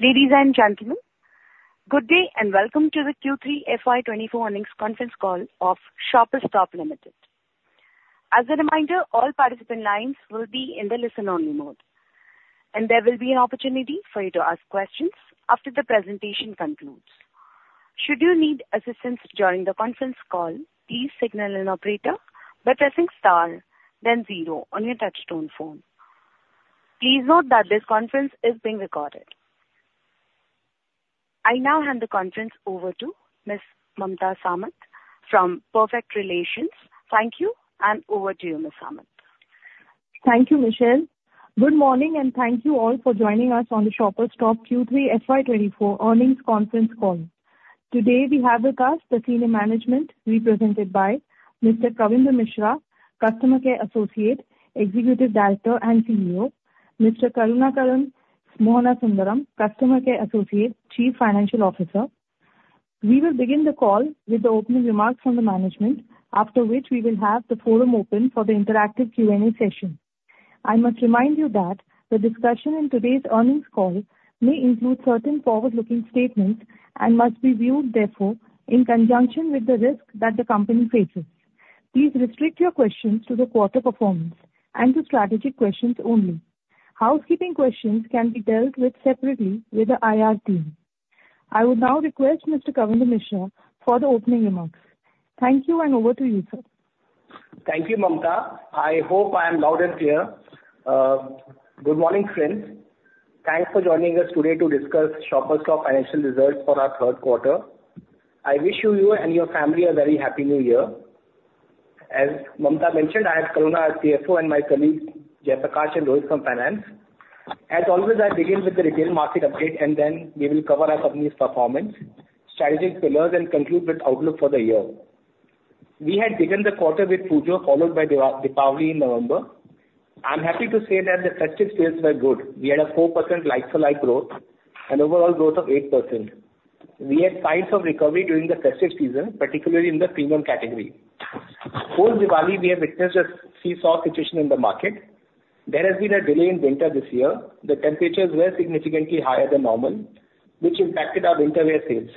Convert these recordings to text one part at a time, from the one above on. Ladies and gentlemen, good day, and welcome to the Q3 FY 2024 Earnings Conference Call of Shoppers Stop Limited. As a reminder, all participant lines will be in the listen-only mode, and there will be an opportunity for you to ask questions after the presentation concludes. Should you need assistance during the conference call, please signal an operator by pressing star then zero on your touchtone phone. Please note that this conference is being recorded. I now hand the conference over to Ms. Mamta Samat from Perfect Relations. Thank you, and over to you, Ms. Samant. Thank you, Michelle. Good morning, and thank you all for joining us on the Shoppers Stop Q3 FY 2024 earnings conference call. Today, we have with us the senior management represented by Mr. Kavindra Mishra, Managing Director and CEO; Mr. Karunakaran Mohanasundaram, Chief Financial Officer. We will begin the call with the opening remarks from the management, after which we will have the forum open for the interactive Q&A session. I must remind you that the discussion in today's earnings call may include certain forward-looking statements and must be viewed, therefore, in conjunction with the risk that the company faces. Please restrict your questions to the quarter performance and to strategic questions only. Housekeeping questions can be dealt with separately with the IR team. I would now request Mr. Kavindra Mishra for the opening remarks. Thank you, and over to you, sir. Thank you, Mamta. I hope I am loud and clear. Good morning, friends. Thanks for joining us today to discuss Shoppers Stop financial results for our third quarter. I wish you and your family a very Happy New Year. As Mamta mentioned, I have Karuna, our CFO, and my colleagues, Jaiprakash, and Rohit from Finance. As always, I begin with the retail market update, and then we will cover our company's performance, strategic pillars, and conclude with outlook for the year. We had begun the quarter with Pujo, followed by Diwali-Deepavali in November. I'm happy to say that the festive sales were good. We had a 4% like-for-like growth and overall growth of 8%. We had signs of recovery during the festive season, particularly in the premium category. Post Diwali, we have witnessed a seesaw situation in the market. There has been a delay in winter this year. The temperatures were significantly higher than normal, which impacted our winter wear sales.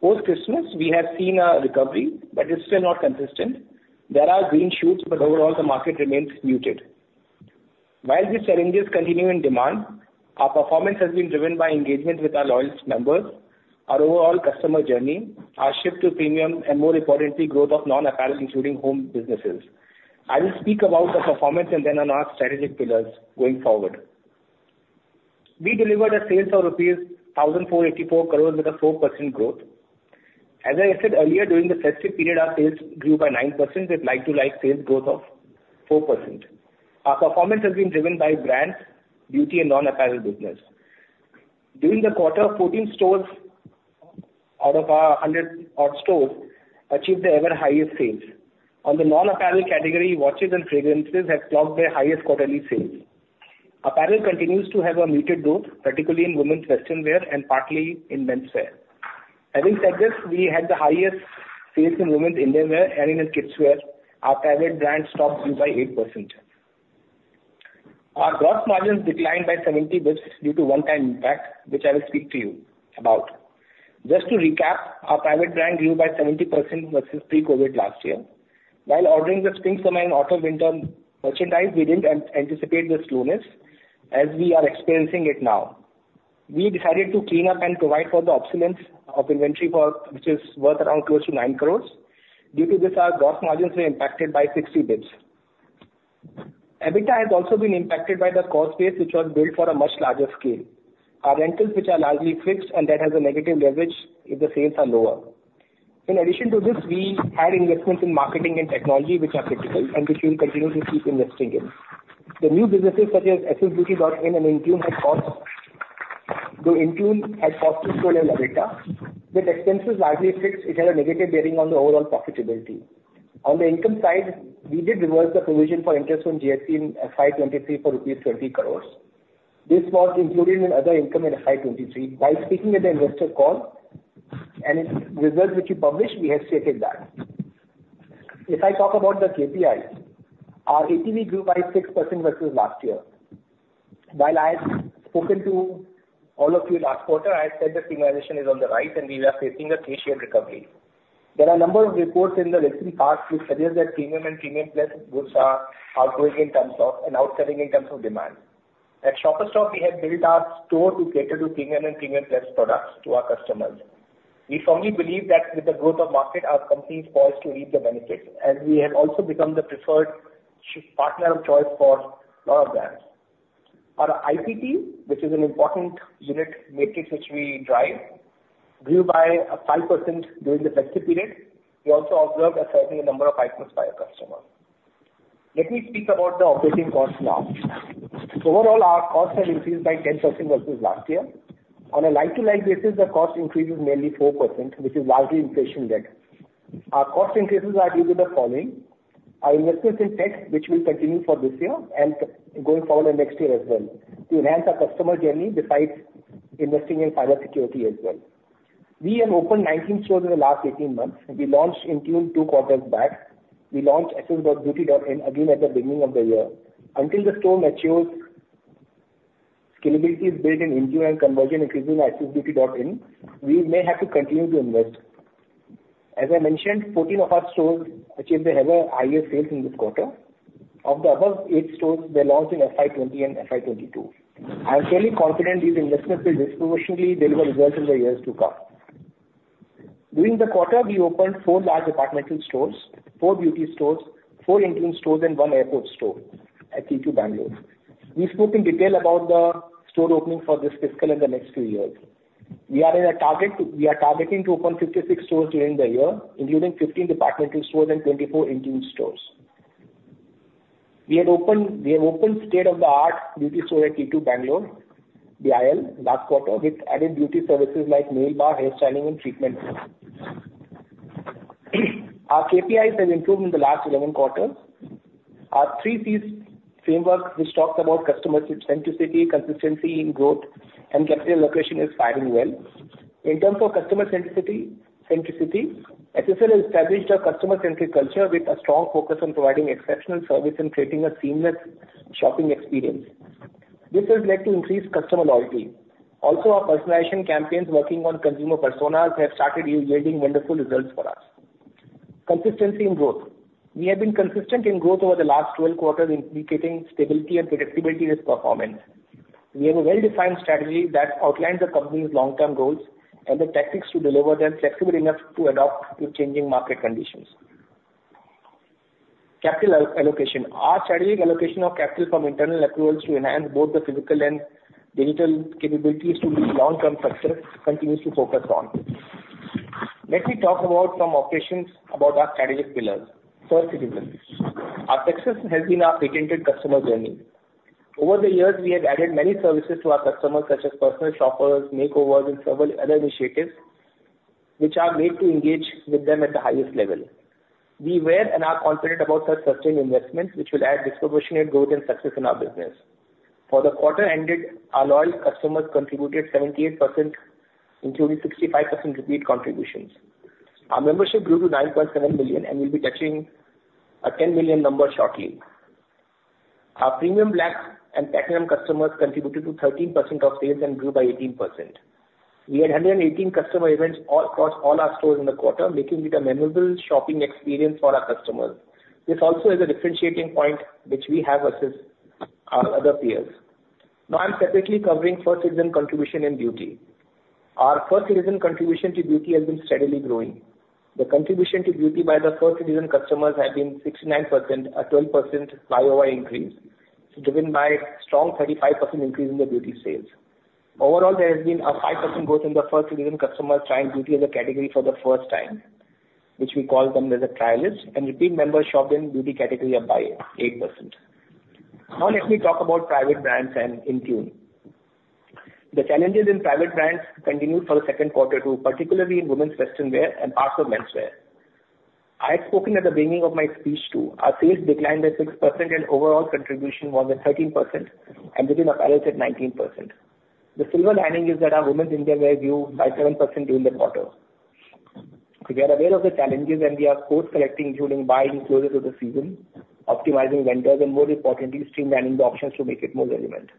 Post-Christmas, we have seen a recovery, but it's still not consistent. There are green shoots, but overall, the market remains muted. While these challenges continue in demand, our performance has been driven by engagement with our loyalist members, our overall customer journey, our shift to premium, and more importantly, growth of non-apparel, including home businesses. I will speak about the performance and then on our strategic pillars going forward. We delivered sales of rupees 1,084 crores with a 4% growth. As I said earlier, during the festive period, our sales grew by 9%, with like-to-like sales growth of 4%. Our performance has been driven by brands, beauty, and non-apparel business. During the quarter, 14 stores out of our 100-odd stores achieved their ever highest sales. On the non-apparel category, watches and fragrances have clocked their highest quarterly sales. Apparel continues to have a muted growth, particularly in women's western wear and partly in menswear. Having said this, we had the highest sales in women's Indian wear and in the kids' wear. Our private brand STOP grew by 8%. Our gross margins declined by 70 basis points due to one-time impact, which I will speak to you about. Just to recap, our private brand grew by 70% versus pre-COVID last year. While ordering the spring, summer, and autumn winter merchandise, we didn't anticipate the slowness as we are experiencing it now. We decided to clean up and provide for the obsolescence of inventory, which is worth around close to 9 crore. Due to this, our gross margins were impacted by 60 basis points. EBITDA has also been impacted by the cost base, which was built for a much larger scale. Our rentals, which are largely fixed, and that has a negative leverage if the sales are lower. In addition to this, we had investments in marketing and technology, which are critical and which we will continue to keep investing in. The new businesses such as ssbeauty.in and Intune had cost. Though Intune had cost to grow in EBITDA, with expenses largely fixed, it had a negative bearing on the overall profitability. On the income side, we did reverse the provision for interest on GST in FY 2023 for INR 30 crore. This was included in other income in FY 2023. While speaking at the investor call and in results which you published, we have stated that. If I talk about the KPIs, our ATV grew by 6% versus last year. While I've spoken to all of you last quarter, I said the premiumization is on the rise, and we are facing a three-tier recovery. There are a number of reports in the recent past which suggest that premium and premium plus goods are outgrowing in terms of and outstanding in terms of demand. At Shoppers Stop, we have built our store to cater to premium and premium plus products to our customers. We firmly believe that with the growth of market, our company is poised to reap the benefits, and we have also become the preferred partner of choice for a lot of brands. Our IPT, which is an important unit matrix which we drive, grew by 5% during the festive period. We also observed a certain number of items by a customer. Let me speak about the operating costs now. Overall, our costs have increased by 10% versus last year. On a like-to-like basis, the cost increase is mainly 4%, which is largely inflation-led. Our cost increases are due to the following: our investments in tech, which will continue for this year and going forward in next year as well, to enhance our customer journey, besides investing in cyber security as well. We have opened 19 stores in the last 18 months, and we launched Intune two quarters back. We launched ssbeauty.in again at the beginning of the year. Until the store matures, scalability is built in Intune and conversion increasing ssbeauty.in, we may have to continue to invest. As I mentioned, 14 of our stores achieved their ever highest sales in this quarter. Of the above eight stores, they launched in FY 2020 and FY 2022. I'm fairly confident these investments will disproportionately deliver results in the years to come. During the quarter, we opened four large departmental stores, four beauty stores, four Intune stores, and one airport store at T2, Bangalore. We spoke in detail about the store opening for this fiscal in the next few years. We are targeting to open 56 stores during the year, including 15 departmental stores and 24 Intune stores. We have opened state-of-the-art beauty store at T2, Bangalore, BIL last quarter, with added beauty services like nail bar, hairstyling and treatments. Our KPIs have improved in the last 11 quarters. Our three Ps framework, which talks about customer centricity, consistency in growth, and capital allocation, is firing well. In terms of customer centricity, Accenture has established a customer-centric culture with a strong focus on providing exceptional service and creating a seamless shopping experience. This has led to increased customer loyalty. Also, our personalization campaigns working on consumer personas have started yielding wonderful results for us. Consistency in growth. We have been consistent in growth over the last 12 quarters, indicating stability and predictability in its performance. We have a well-defined strategy that outlines the company's long-term goals and the tactics to deliver them, flexible enough to adapt to changing market conditions. Capital allocation. Our strategic allocation of capital from internal approvals to enhance both the physical and digital capabilities to build long-term success continues to focus on. Let me talk about some operations about our strategic pillars. First Citizen. Our success has been our patented customer journey. Over the years, we have added many services to our customers, such as personal shoppers, makeovers, and several other initiatives, which are made to engage with them at the highest level. We were and are confident about our sustained investments, which will add disproportionate growth and success in our business. For the quarter ended, our loyal customers contributed 78%, including 65% repeat contributions. Our membership grew to 9.7 million, and we'll be touching a 10 million number shortly. Our premium Black and Platinum customers contributed to 13% of sales and grew by 18%. We had 118 customer events all across all our stores in the quarter, making it a memorable shopping experience for our customers. This also is a differentiating point which we have versus our other peers. Now, I'm separately covering First Citizen contribution in beauty. Our First Citizen contribution to beauty has been steadily growing. The contribution to beauty by the First Citizen customers has been 69%, a 12% YOY increase, driven by strong 35% increase in the beauty sales. Overall, there has been a 5% growth in the First Citizen customers trying beauty as a category for the first time, which we call them as a trialist, and repeat members shopped in beauty category up by 8%. Now, let me talk about private brands and Intune. The challenges in private brands continued for the second quarter too, particularly in women's western wear and parts of menswear. I had spoken at the beginning of my speech too. Our sales declined by 6% and overall contribution more than 13% and within apparel at 19%. The silver lining is that our women's Indian wear grew by 7% during the quarter. We are aware of the challenges, and we are course correcting, including buying closer to the season, optimizing vendors, and more importantly, streamlining the options to make it more relevant.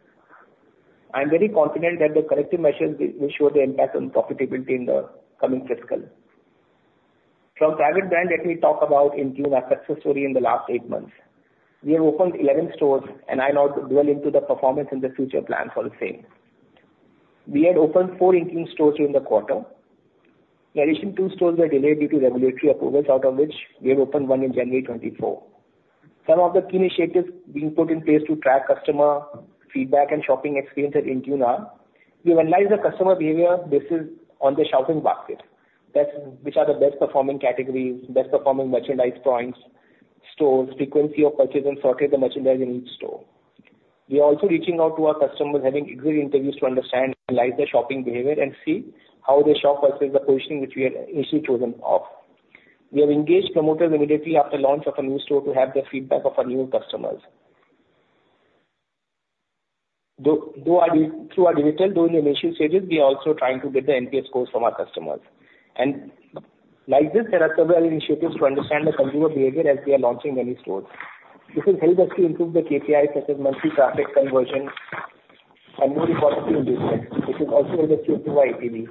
I'm very confident that the corrective measures will show the impact on profitability in the coming fiscal. From private brand, let me talk about Intune, our success story in the last eight months. We have opened 11 stores, and I'll now dwell into the performance and the future plan for the same. We had opened four Intune stores during the quarter. The addition two stores were delayed due to regulatory approvals, out of which we have opened 1 in January 2024. Some of the key initiatives being put in place to track customer feedback and shopping experience at Intune are: We've analyzed the customer behavior based on the shopping basket, that's which are the best performing categories, best performing merchandise points, stores, frequency of purchase, and sorted the merchandise in each store. We are also reaching out to our customers, having exit interviews to understand, analyze their shopping behavior, and see how they shop versus the positioning which we had initially chosen of. We have engaged promoters immediately after launch of a new store to have the feedback of our new customers. Through our digital, though in the initial stages, we are also trying to get the NPS scores from our customers. Like this, there are several initiatives to understand the consumer behavior as we are launching many stores. This has helped us to improve the KPIs, such as monthly traffic conversion, and more importantly, in business. This has also helped us to improve our APV.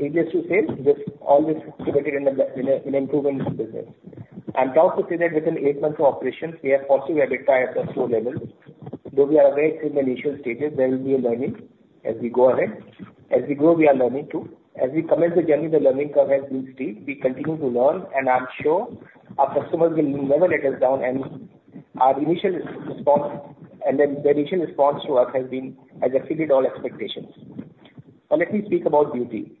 Previous to sales, this all is committed in improving the business. I'm proud to say that within eight months of operations, we have positive EBITDA at the store level, though we are very in the initial stages, there will be a learning as we go ahead. As we grow, we are learning too. As we commence the journey, the learning curve has been steep. We continue to learn, and I'm sure our customers will never let us down, and our initial response and then their initial response to us has exceeded all expectations. Now, let me speak about beauty.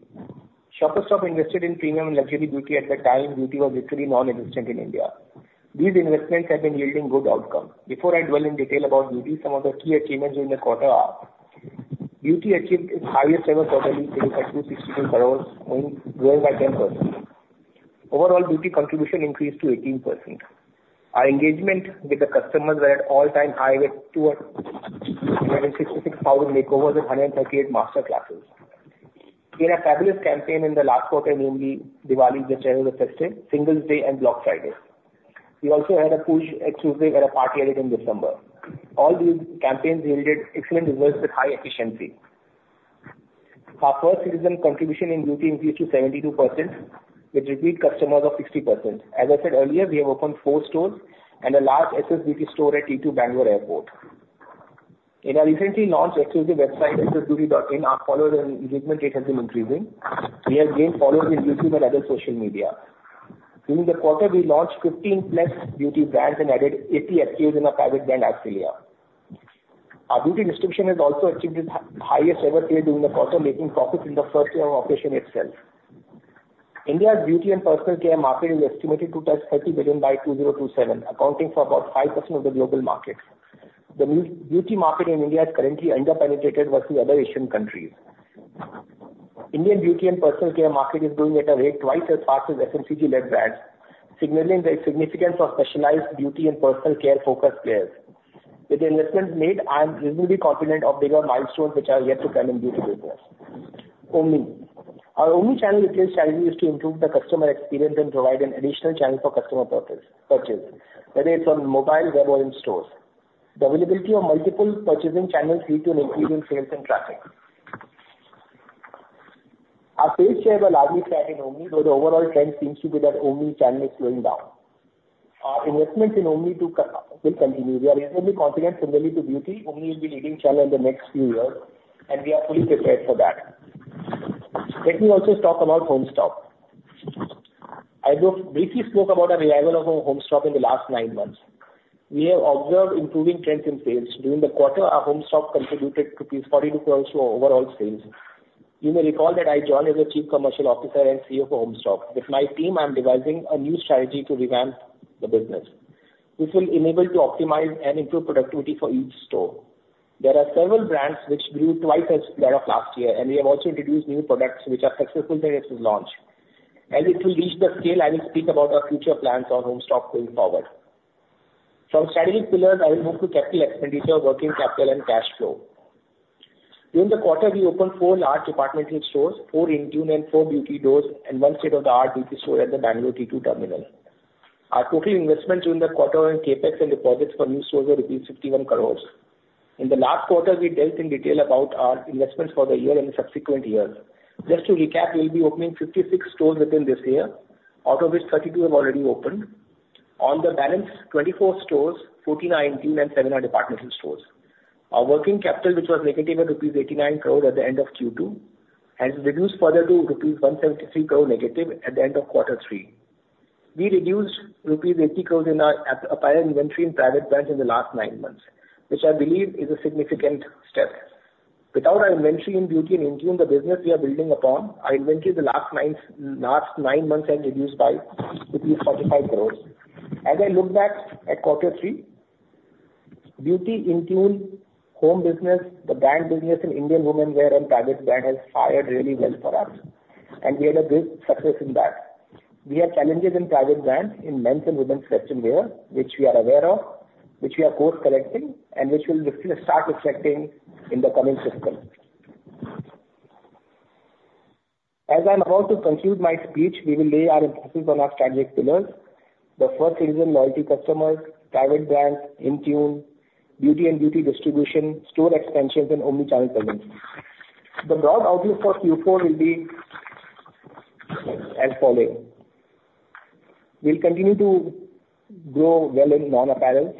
Shoppers Stop invested in premium and luxury beauty at the time beauty was literally non-existent in India. These investments have been yielding good outcome. Before I dwell in detail about beauty, some of the key achievements in the quarter are: Beauty achieved its highest ever quarterly sales at INR 262 crore, growing by 10%. Overall, beauty contribution increased to 18%. Our engagement with the customers were at all-time high, with 266,000 makeovers and 138 master classes. In a fabulous campaign in the last quarter, namely, Diwali, which is the festival, Singles Day, and Black Friday. We also had a push exclusively at a party event in December. All these campaigns yielded excellent results with high efficiency. Our First Citizen contribution in beauty increased to 72%, with repeat customers of 60%. As I said earlier, we have opened four stores and a large SSBeauty store at T2 Bangalore Airport. In our recently launched exclusive website, ssbeauty.in, our followers and engagement rate has been increasing. We have gained followers in YouTube and other social media. During the quarter, we launched 15+ beauty brands and added 80 SKUs in our private brand, Arcelia. Our beauty distribution has also achieved its highest ever sale during the quarter, making profits in the first year of operation itself. India's beauty and personal care market is estimated to touch $30 billion by 2027, accounting for about 5% of the global market. The beauty market in India is currently under-penetrated versus other Asian countries. Indian beauty and personal care market is growing at a rate twice as fast as FMCG-led brands, signaling the significance of specialized beauty and personal care-focused players. With the investments made, I am reasonably confident of bigger milestones which are yet to come in beauty business. Omnichannel. Our omnichannel retail strategy is to improve the customer experience and provide an additional channel for customer purchase, whether it's on mobile, web, or in stores. The availability of multiple purchasing channels lead to an increase in sales and traffic. Our sales share have largely flat in omnichannel, though the overall trend seems to be that omnichannel is slowing down. Our investments in omnichannel too will continue. We are reasonably confident, similarly to beauty, omnichannel will be leading channel in the next few years, and we are fully prepared for that. Let me also talk about HomeStop. I briefly spoke about the revival of our HomeStop in the last nine months. We have observed improving trends in sales. During the quarter, our HomeStop contributed 42 crores to our overall sales. You may recall that I joined as a Chief Commercial Officer and CEO for HomeStop. With my team, I'm devising a new strategy to revamp the business. This will enable to optimize and improve productivity for each store. There are several brands which grew twice as that of last year, and we have also introduced new products which are successful since launch. As it will reach the scale, I will speak about our future plans on HomeStop going forward. From strategic pillars, I will move to capital expenditure, working capital, and cash flow. During the quarter, we opened four large departmental stores, four Intune, and four beauty stores, and one state-of-the-art beauty store at the Bangalore T2 terminal. Our total investment during the quarter in CapEx and deposits for new stores were rupees 51 crores. In the last quarter, we dealt in detail about our investments for the year and subsequent years. Just to recap, we'll be opening 56 stores within this year, out of which 32 have already opened. On the balance, 24 stores, 14 are Intune and seven are department stores. Our working capital, which was negative at rupees 89 crore at the end of Q2, has reduced further to rupees 173 crore negative at the end of quarter three. We reduced rupees 80 crore in our apparel inventory and private brands in the last nine months, which I believe is a significant step. Without our inventory in beauty and Intune, the business we are building upon, our inventory in the last nine months have reduced by rupees 45 crore. As I look back at quarter three, beauty, Intune, home business, the brand business in Indian women wear and private brand has fared really well for us, and we had a good success in that. We have challenges in private brands, in men's and women's fashion wear, which we are aware of, which we are course correcting, and which will start reflecting in the coming quarters. As I'm about to conclude my speech, we will lay our emphasis on our strategic pillars. The first is in loyalty customers, private brands, Intune, beauty and beauty distribution, store expansions, and omnichannel presence. The broad outlook for Q4 will be as follows: We'll continue to grow well in non-apparel,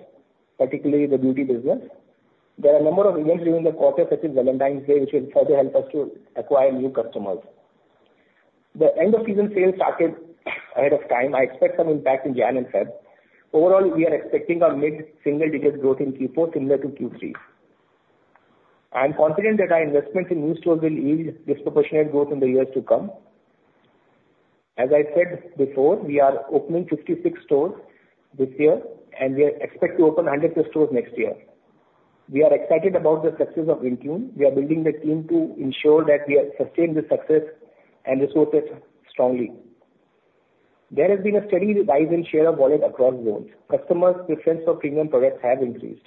particularly the beauty business. There are a number of events during the quarter, such as Valentine's Day, which will further help us to acquire new customers. The end-of-season sales started ahead of time. I expect some impact in Jan and Feb. Overall, we are expecting a mid-single-digit growth in Q4, similar to Q3. I'm confident that our investments in new stores will yield disproportionate growth in the years to come. As I said before, we are opening 56 stores this year, and we expect to open 100 stores next year. We are excited about the success of Intune. We are building the team to ensure that we are sustained the success and resource it strongly. There has been a steady rise in share of wallet across boards. Customers' preference for premium products have increased.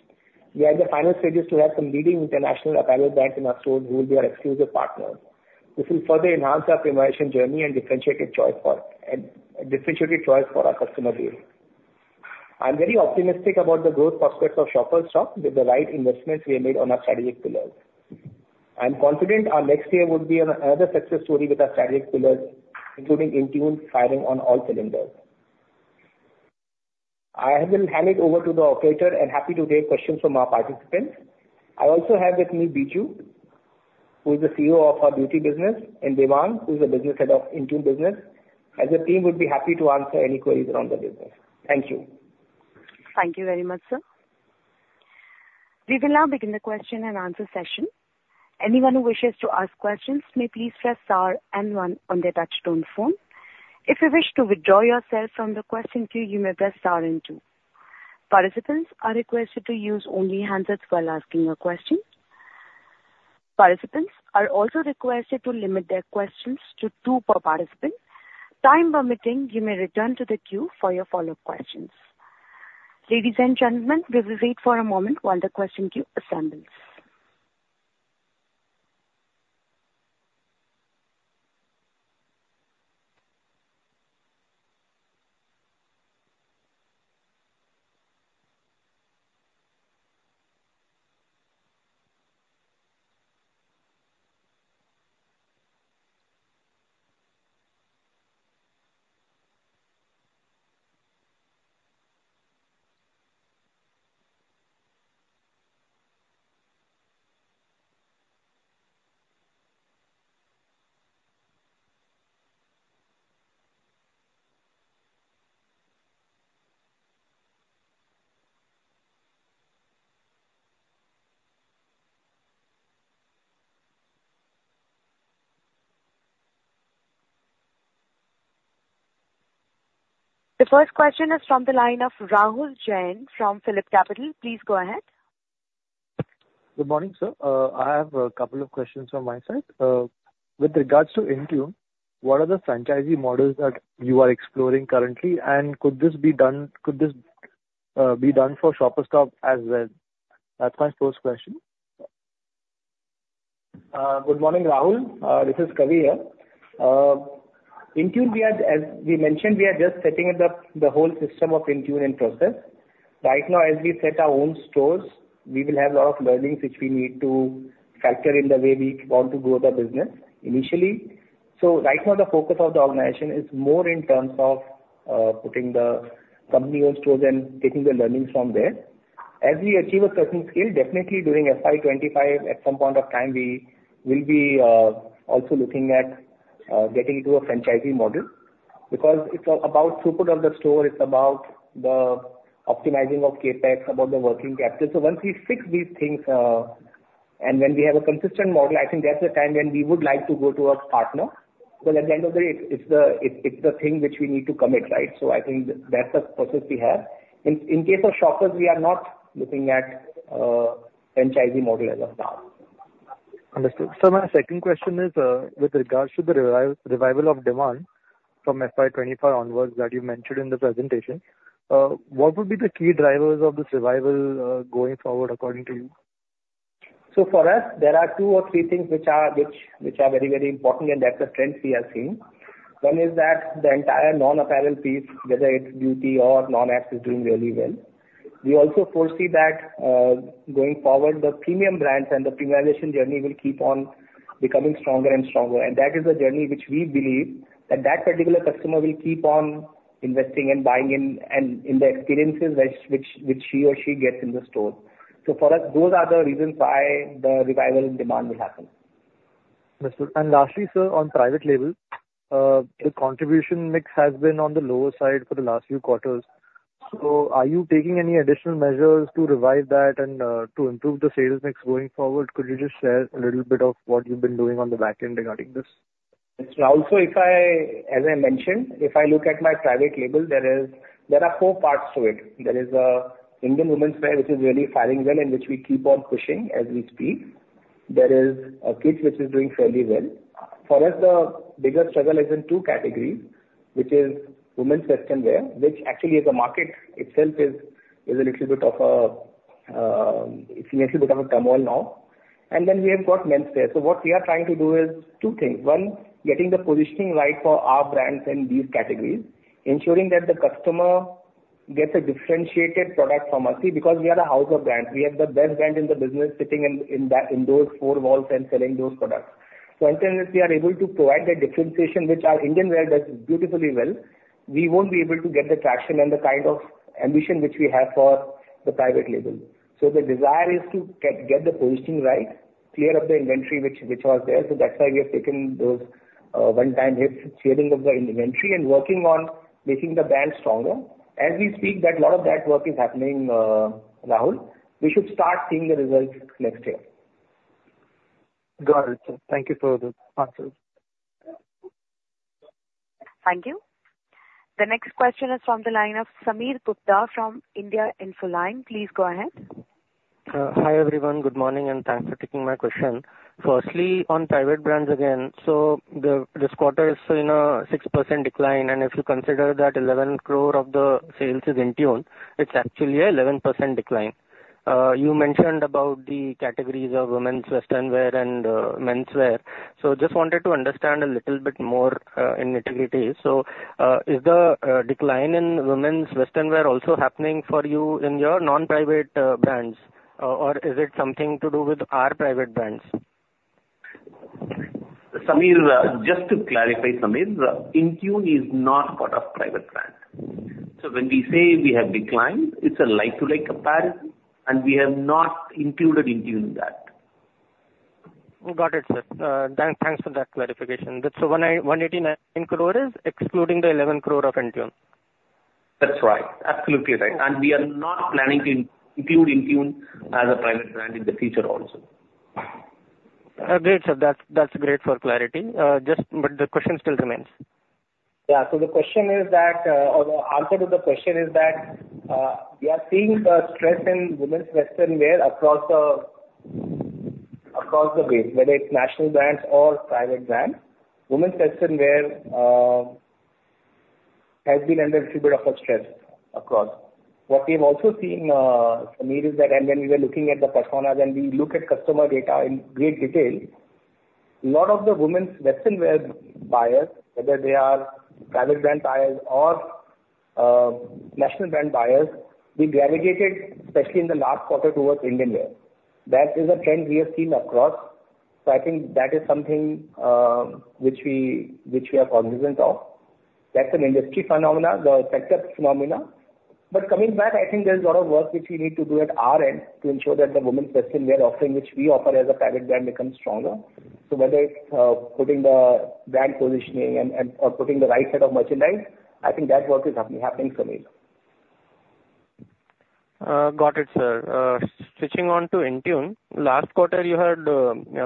We are in the final stages to have some leading international apparel brands in our stores, who will be our exclusive partner. This will further enhance our transformation journey and differentiate choice for our customer base. I'm very optimistic about the growth prospects of Shoppers Stop with the right investments we have made on our strategic pillars. I'm confident our next year would be another success story with our strategic pillars, including Intune, firing on all cylinders. I will hand it over to the operator and happy to take questions from our participants. I also have with me Biju, who is the CEO of our beauty business, and Devang, who is the business head of Intune business, and the team would be happy to answer any queries around the business. Thank you. Thank you very much, sir. We will now begin the question and answer session. Anyone who wishes to ask questions may please press star and one on their touchtone phone. If you wish to withdraw yourself from the question queue, you may press star and two. Participants are requested to use only handsets while asking a question. Participants are also requested to limit their questions to two per participant. Time permitting, you may return to the queue for your follow-up questions. Ladies and gentlemen, we will wait for a moment while the question queue assembles. The first question is from the line of Rahul Jain from PhillipCapital. Please go ahead. Good morning, sir. I have a couple of questions from my side. With regards to Intune, what are the franchisee models that you are exploring currently? And could this be done for Shoppers Stop as well? That's my first question. Good morning, Rahul. This is Kavi here. Intune, we are, as we mentioned, we are just setting up the whole system of Intune and process. Right now, as we set our own stores, we will have a lot of learnings which we need to factor in the way we want to grow the business initially. So right now, the focus of the organization is more in terms of putting the company-owned stores and taking the learnings from there. As we achieve a certain scale, definitely during FY 2025, at some point of time, we will be also looking at getting into a franchisee model. Because it's about throughput of the store, it's about the optimizing of CapEx, about the working capital. So once we fix these things, and when we have a consistent model, I think that's the time when we would like to go to a partner, because at the end of the day, it's the thing which we need to commit, right? So I think that's the process we have. In case of Shoppers, we are not looking at franchisee model as of now. Understood. Sir, my second question is, with regards to the revival of demand from FY 2024 onwards that you mentioned in the presentation. What would be the key drivers of this revival, going forward, according to you? So for us, there are two or three things which are very, very important, and that's the trends we are seeing. One is that the entire non-apparel piece, whether it's beauty or non-app, is doing really well. We also foresee that, going forward, the premium brands and the premiumization journey will keep on becoming stronger and stronger. And that is a journey which we believe that that particular customer will keep on investing and buying in, and in the experiences which he or she gets in the store. So for us, those are the reasons why the revival in demand will happen. Understood. Lastly, sir, on private label, the contribution mix has been on the lower side for the last few quarters. Are you taking any additional measures to revive that and, to improve the sales mix going forward? Could you just share a little bit of what you've been doing on the back end regarding this? As I mentioned, if I look at my private label, there are four parts to it. There is Indian women's wear, which is really faring well, and which we keep on pushing as we speak. There is kids, which is doing fairly well. For us, the biggest struggle is in two categories, which is women's western wear, which actually as a market itself is a little bit of a, it's actually bit of a turmoil now. And then we have got menswear. So what we are trying to do is two things: One, getting the positioning right for our brands in these categories, ensuring that the customer gets a differentiated product from us. See, because we are a house of brands, we have the best brands in the business sitting in those four walls and selling those products. So until and unless we are able to provide that differentiation, which our Indian wear does beautifully well, we won't be able to get the traction and the kind of ambition which we have for the private label. So the desire is to get the positioning right, clear up the inventory, which was there. So that's why we have taken those one-time hits, clearing up the inventory and working on making the brand stronger. As we speak, that lot of that work is happening, Rahul. We should start seeing the results next year. Got it, sir. Thank you for the answers. Thank you. The next question is from the line of Sameer Gupta from India Infoline. Please go ahead. Hi, everyone. Good morning, and thanks for taking my question. Firstly, on private brands again, so this quarter is in a 6% decline, and if you consider that 11 crore of the sales is Intune, it's actually an 11% decline. You mentioned about the categories of women's western wear and menswear. So just wanted to understand a little bit more, in nitty-gritty. So, is the decline in women's western wear also happening for you in your non-private brands, or is it something to do with our private brands? Sameer, just to clarify, Sameer, Intune is not part of private brand. So when we say we have declined, it's a like-to-like comparison, and we have not included Intune in that. Got it, sir. Thanks for that clarification. So 189 crore is excluding the 11 crore of Intune? That's right. Absolutely right. And we are not planning to include Intune as a private brand in the future also. Great, sir. That's, that's great for clarity. But the question still remains. Yeah, so the question is that, or the answer to the question is that, we are seeing the stress in women's western wear across the base, whether it's national brands or private brands. Women's western wear has been under a little bit of a stress across. What we've also seen, Sameer, is that and when we were looking at the personas, and we look at customer data in great detail, a lot of the women's western wear buyers, whether they are private brand buyers or national brand buyers, we aggregated, especially in the last quarter, towards Indian wear. That is a trend we have seen across. So I think that is something which we are cognizant of. That's an industry phenomenon, the sector phenomenon. Coming back, I think there's a lot of work which we need to do at our end to ensure that the women's western wear offering, which we offer as a private brand, becomes stronger. So whether it's putting the brand positioning and or putting the right set of merchandise, I think that work is happening, Sameer. Got it, sir. Switching on to Intune, last quarter you had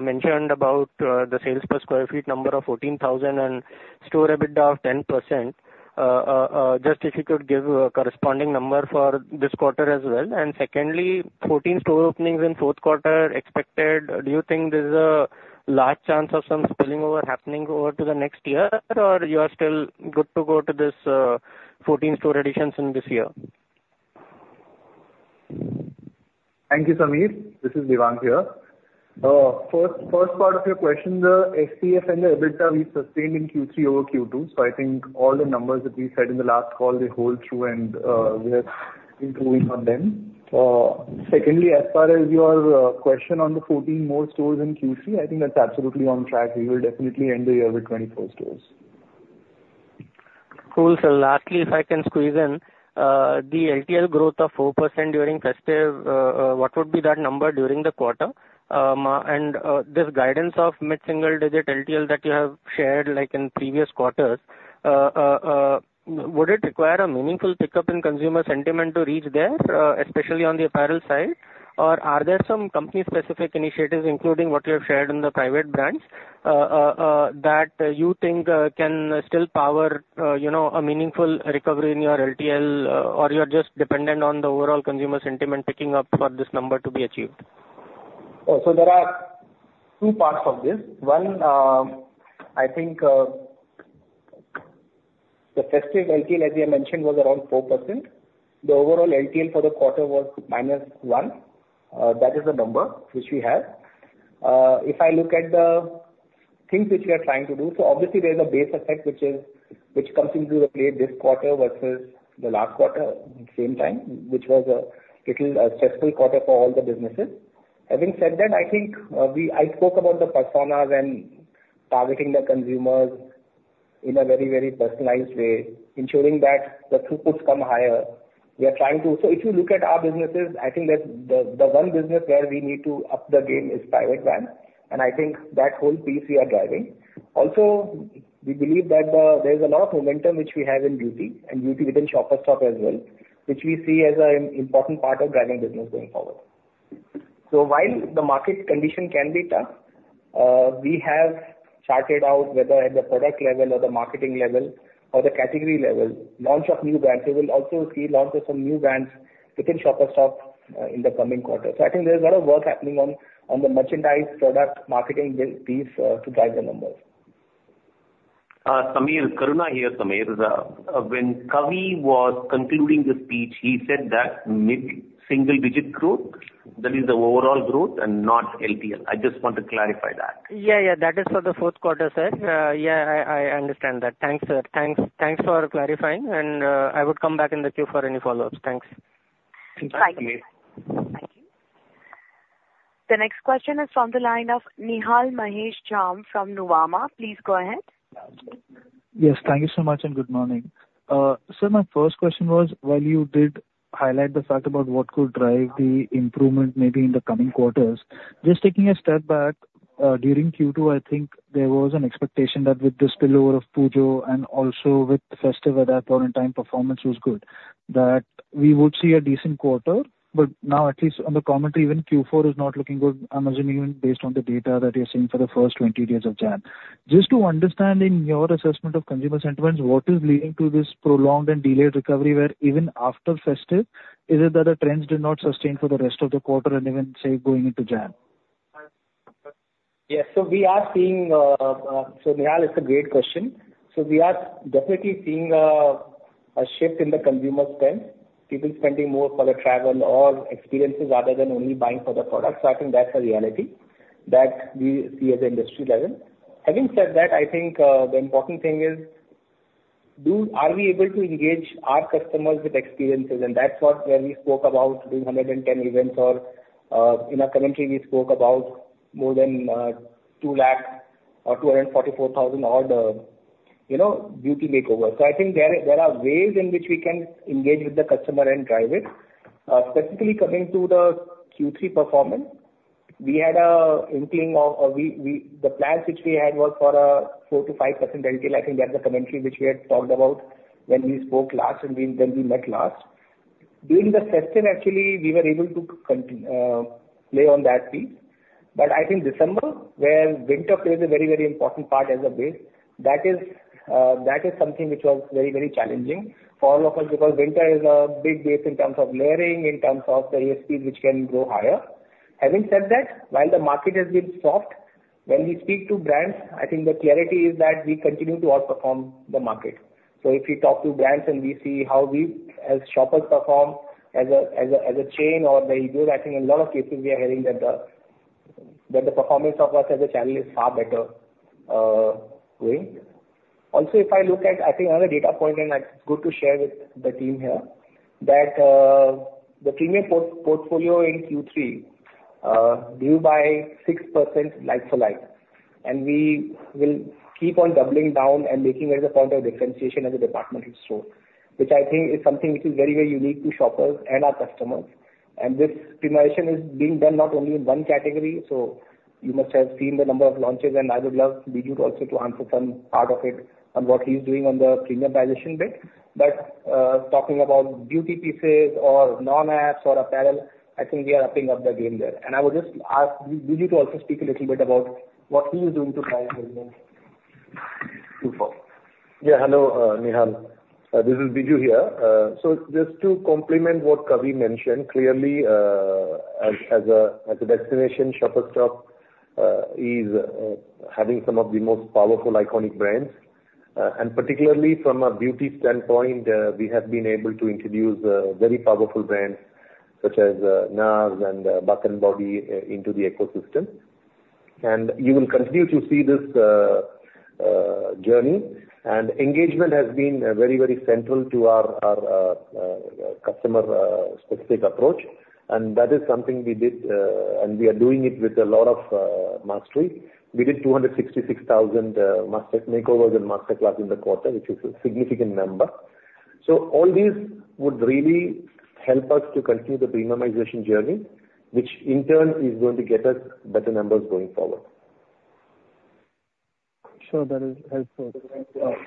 mentioned about the sales per square foot number of 14,000 and store EBITDA of 10%. Just if you could give a corresponding number for this quarter as well. And secondly, 14 store openings in fourth quarter expected, do you think there's a large chance of some spilling over happening over to the next year, or you are still good to go to this, 14 store additions in this year? Thank you, Sameer. This is Devang here. First part of your question, the FPS and the EBITDA we sustained in Q3 over Q2, so I think all the numbers that we said in the last call, they hold true and we are improving on them. Secondly, as far as your question on the 14 more stores in Q3, I think that's absolutely on track. We will definitely end the year with 24 stores. Cool. So lastly, if I can squeeze in, the LTL growth of 4% during festive, what would be that number during the quarter? And, this guidance of mid-single digit LTL that you have shared, like in previous quarters, would it require a meaningful pickup in consumer sentiment to reach there, especially on the apparel side? Or are there some company-specific initiatives, including what you have shared in the private brands, that you think, can still power, you know, a meaningful recovery in your LTL, or you are just dependent on the overall consumer sentiment picking up for this number to be achieved? So there are two parts of this. One, I think, the festive LTL, as I mentioned, was around 4%. The overall LTL for the quarter was -1%. That is the number which we have. If I look at the things which we are trying to do, so obviously there is a base effect, which is- which comes into the play this quarter versus the last quarter, same time, which was a little, stressful quarter for all the businesses. Having said that, I think, we, I spoke about the personas and targeting the consumers in a very, very personalized way, ensuring that the throughputs come higher. We are trying to. So if you look at our businesses, I think that the one business where we need to up the game is private brand, and I think that whole piece we are driving. Also, we believe that, there's a lot of momentum which we have in beauty, and beauty within Shoppers Stop as well, which we see as an important part of driving business going forward. So while the market condition can be tough, we have charted out, whether at the product level or the marketing level or the category level, launch of new brands. We will also see launch of some new brands within Shoppers Stop, in the coming quarter. So I think there's a lot of work happening on the merchandise product marketing build piece, to drive the numbers. Sameer, Karuna here, Sameer. When Kavi was concluding the speech, he said that mid-single digit growth, that is the overall growth and not LTL. I just want to clarify that. Yeah, yeah. That is for the fourth quarter, sir. Yeah, I understand that. Thanks, sir. Thanks, thanks for clarifying, and I would come back in the queue for any follow-ups. Thanks. Thanks, Sameer. Thank you. Thank you. The next question is from the line of Nihal Mahesh Jham from Nuvama. Please go ahead. Yes, thank you so much, and good morning. So my first question was, while you did highlight the fact about what could drive the improvement maybe in the coming quarters, just taking a step back, during Q2, I think there was an expectation that with the spillover of Pujo and also with festive at that point in time, performance was good, that we would see a decent quarter. But now, at least on the commentary, even Q4 is not looking good, I'm assuming, based on the data that you're seeing for the first 20 days of January. Just to understand, in your assessment of consumer sentiments, what is leading to this prolonged and delayed recovery, where even after festive, is it that the trends did not sustain for the rest of the quarter and even, say, going into January? Yes. So we are seeing. So Nihal, it's a great question. So we are definitely seeing a shift in the consumer spend. People spending more for the travel or experiences rather than only buying for the product. So I think that's a reality that we see as an industry level. Having said that, I think the important thing is are we able to engage our customers with experiences? And that's what when we spoke about doing 110 events or in our commentary, we spoke about more than 200,000 or 244,000 odd, you know, beauty makeover. So I think there, there are ways in which we can engage with the customer and drive it. Specifically coming to the Q3 performance, we had an inkling of the plans which we had was for 4%-5% LTL. I think that's the commentary which we had talked about when we spoke last and when we met last. During the festive, actually, we were able to continue play on that piece. But I think December, where winter plays a very, very important part as a base, that is something which was very, very challenging for all of us, because winter is a big base in terms of layering, in terms of the ASP, which can go higher. Having said that, while the market has been soft, when we speak to brands, I think the clarity is that we continue to outperform the market. So if you talk to brands and we see how we as Shoppers perform as a chain or the business, I think in a lot of cases we are hearing that the performance of us as a channel is far better going. Also, if I look at, I think another data point, and it's good to share with the team here, that the premium portfolio in Q3 grew by 6% like for like, and we will keep on doubling down and making it as a point of differentiation as a departmental store, which I think is something which is very, very unique to Shoppers and our customers. And this premiumization is being done not only in one category, so you must have seen the number of launches, and I would love Biju also to answer some part of it on what he's doing on the premiumization bit. But, talking about beauty pieces or non-apps or apparel, I think we are upping up the game there. And I would just ask Biju to also speak a little bit about what he is doing to drive business moving forward. Yeah. Hello, Nihal. This is Biju here. So just to complement what Kavi mentioned, clearly, as a destination, Shoppers Stop is having some of the most powerful, iconic brands. And particularly from a beauty standpoint, we have been able to introduce very powerful brands such as NARS and Bath & Body into the ecosystem. And you will continue to see this journey. And engagement has been very, very central to our customer specific approach, and that is something we did, and we are doing it with a lot of mastery. We did 266,000 master makeovers and master class in the quarter, which is a significant number. All these would really help us to continue the premiumization journey, which in turn is going to get us better numbers going forward. Sure. That is helpful.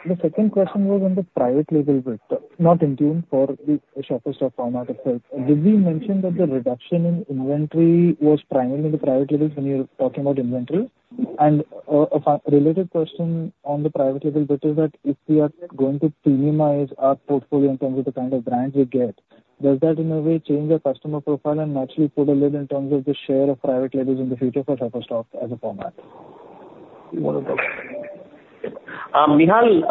The second question was on the private label bit, not Intune for the Shoppers Stop format itself. Did we mention that the reduction in inventory was primarily the private labels when you're talking about inventory? And, a related question on the private label, that is, that, if we are going to premiumize our portfolio in terms of the kind of brands we get, does that, in a way, change the customer profile and naturally put a lid in terms of the share of private labels in the future for Shoppers Stop as a format? You want to talk? Nihal,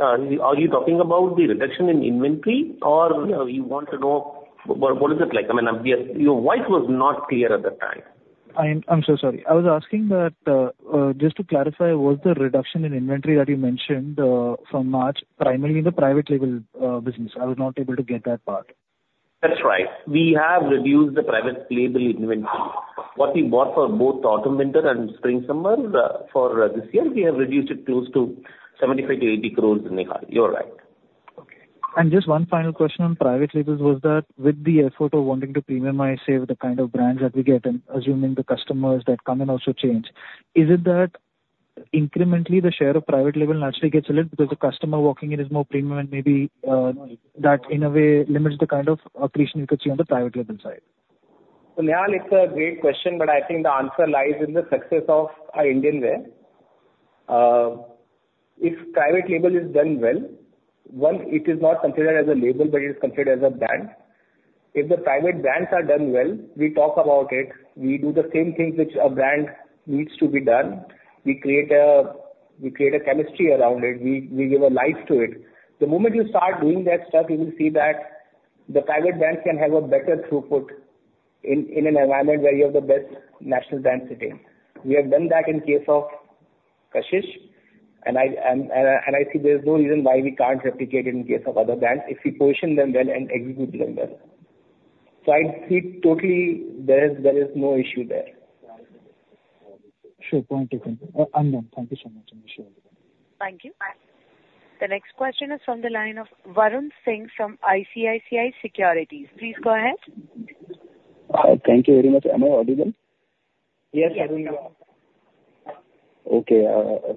are you talking about the reduction in inventory or you want to know what, what is it like? I mean, your voice was not clear at that time. I'm so sorry. I was asking that, just to clarify, was the reduction in inventory that you mentioned, from March, primarily in the private label business? I was not able to get that part. That's right. We have reduced the private label inventory. What we bought for both autumn/winter and spring/summer, for this year, we have reduced it close to 75 crore-80 crore, Nihal. You're right. Okay. And just one final question on private labels was that, with the effort of wanting to premiumize, say, the kind of brands that we get, and assuming the customers that come in also change, is it that incrementally the share of private label naturally gets a little because the customer walking in is more premium and maybe, that in a way limits the kind of creation you could see on the private label side? Nihal, it's a great question, but I think the answer lies in the success of our Indian wear. If private label is done well, one, it is not considered as a label, but it is considered as a brand. If the private brands are done well, we talk about it, we do the same things which a brand needs to be done. We create a chemistry around it. We give a life to it. The moment you start doing that stuff, you will see that the private brands can have a better throughput in an environment where you have the best national brands today. We have done that in case of Kashish, and I see there's no reason why we can't replicate it in case of other brands, if we position them well and execute them well. I see totally there is, there is no issue there. Sure. Point taken. I'm done. Thank you so much. I appreciate it. Thank you. Bye. The next question is from the line of Varun Singh, from ICICI Securities. Please go ahead. Thank you very much. Am I audible? Yes, Varun, you are. Okay,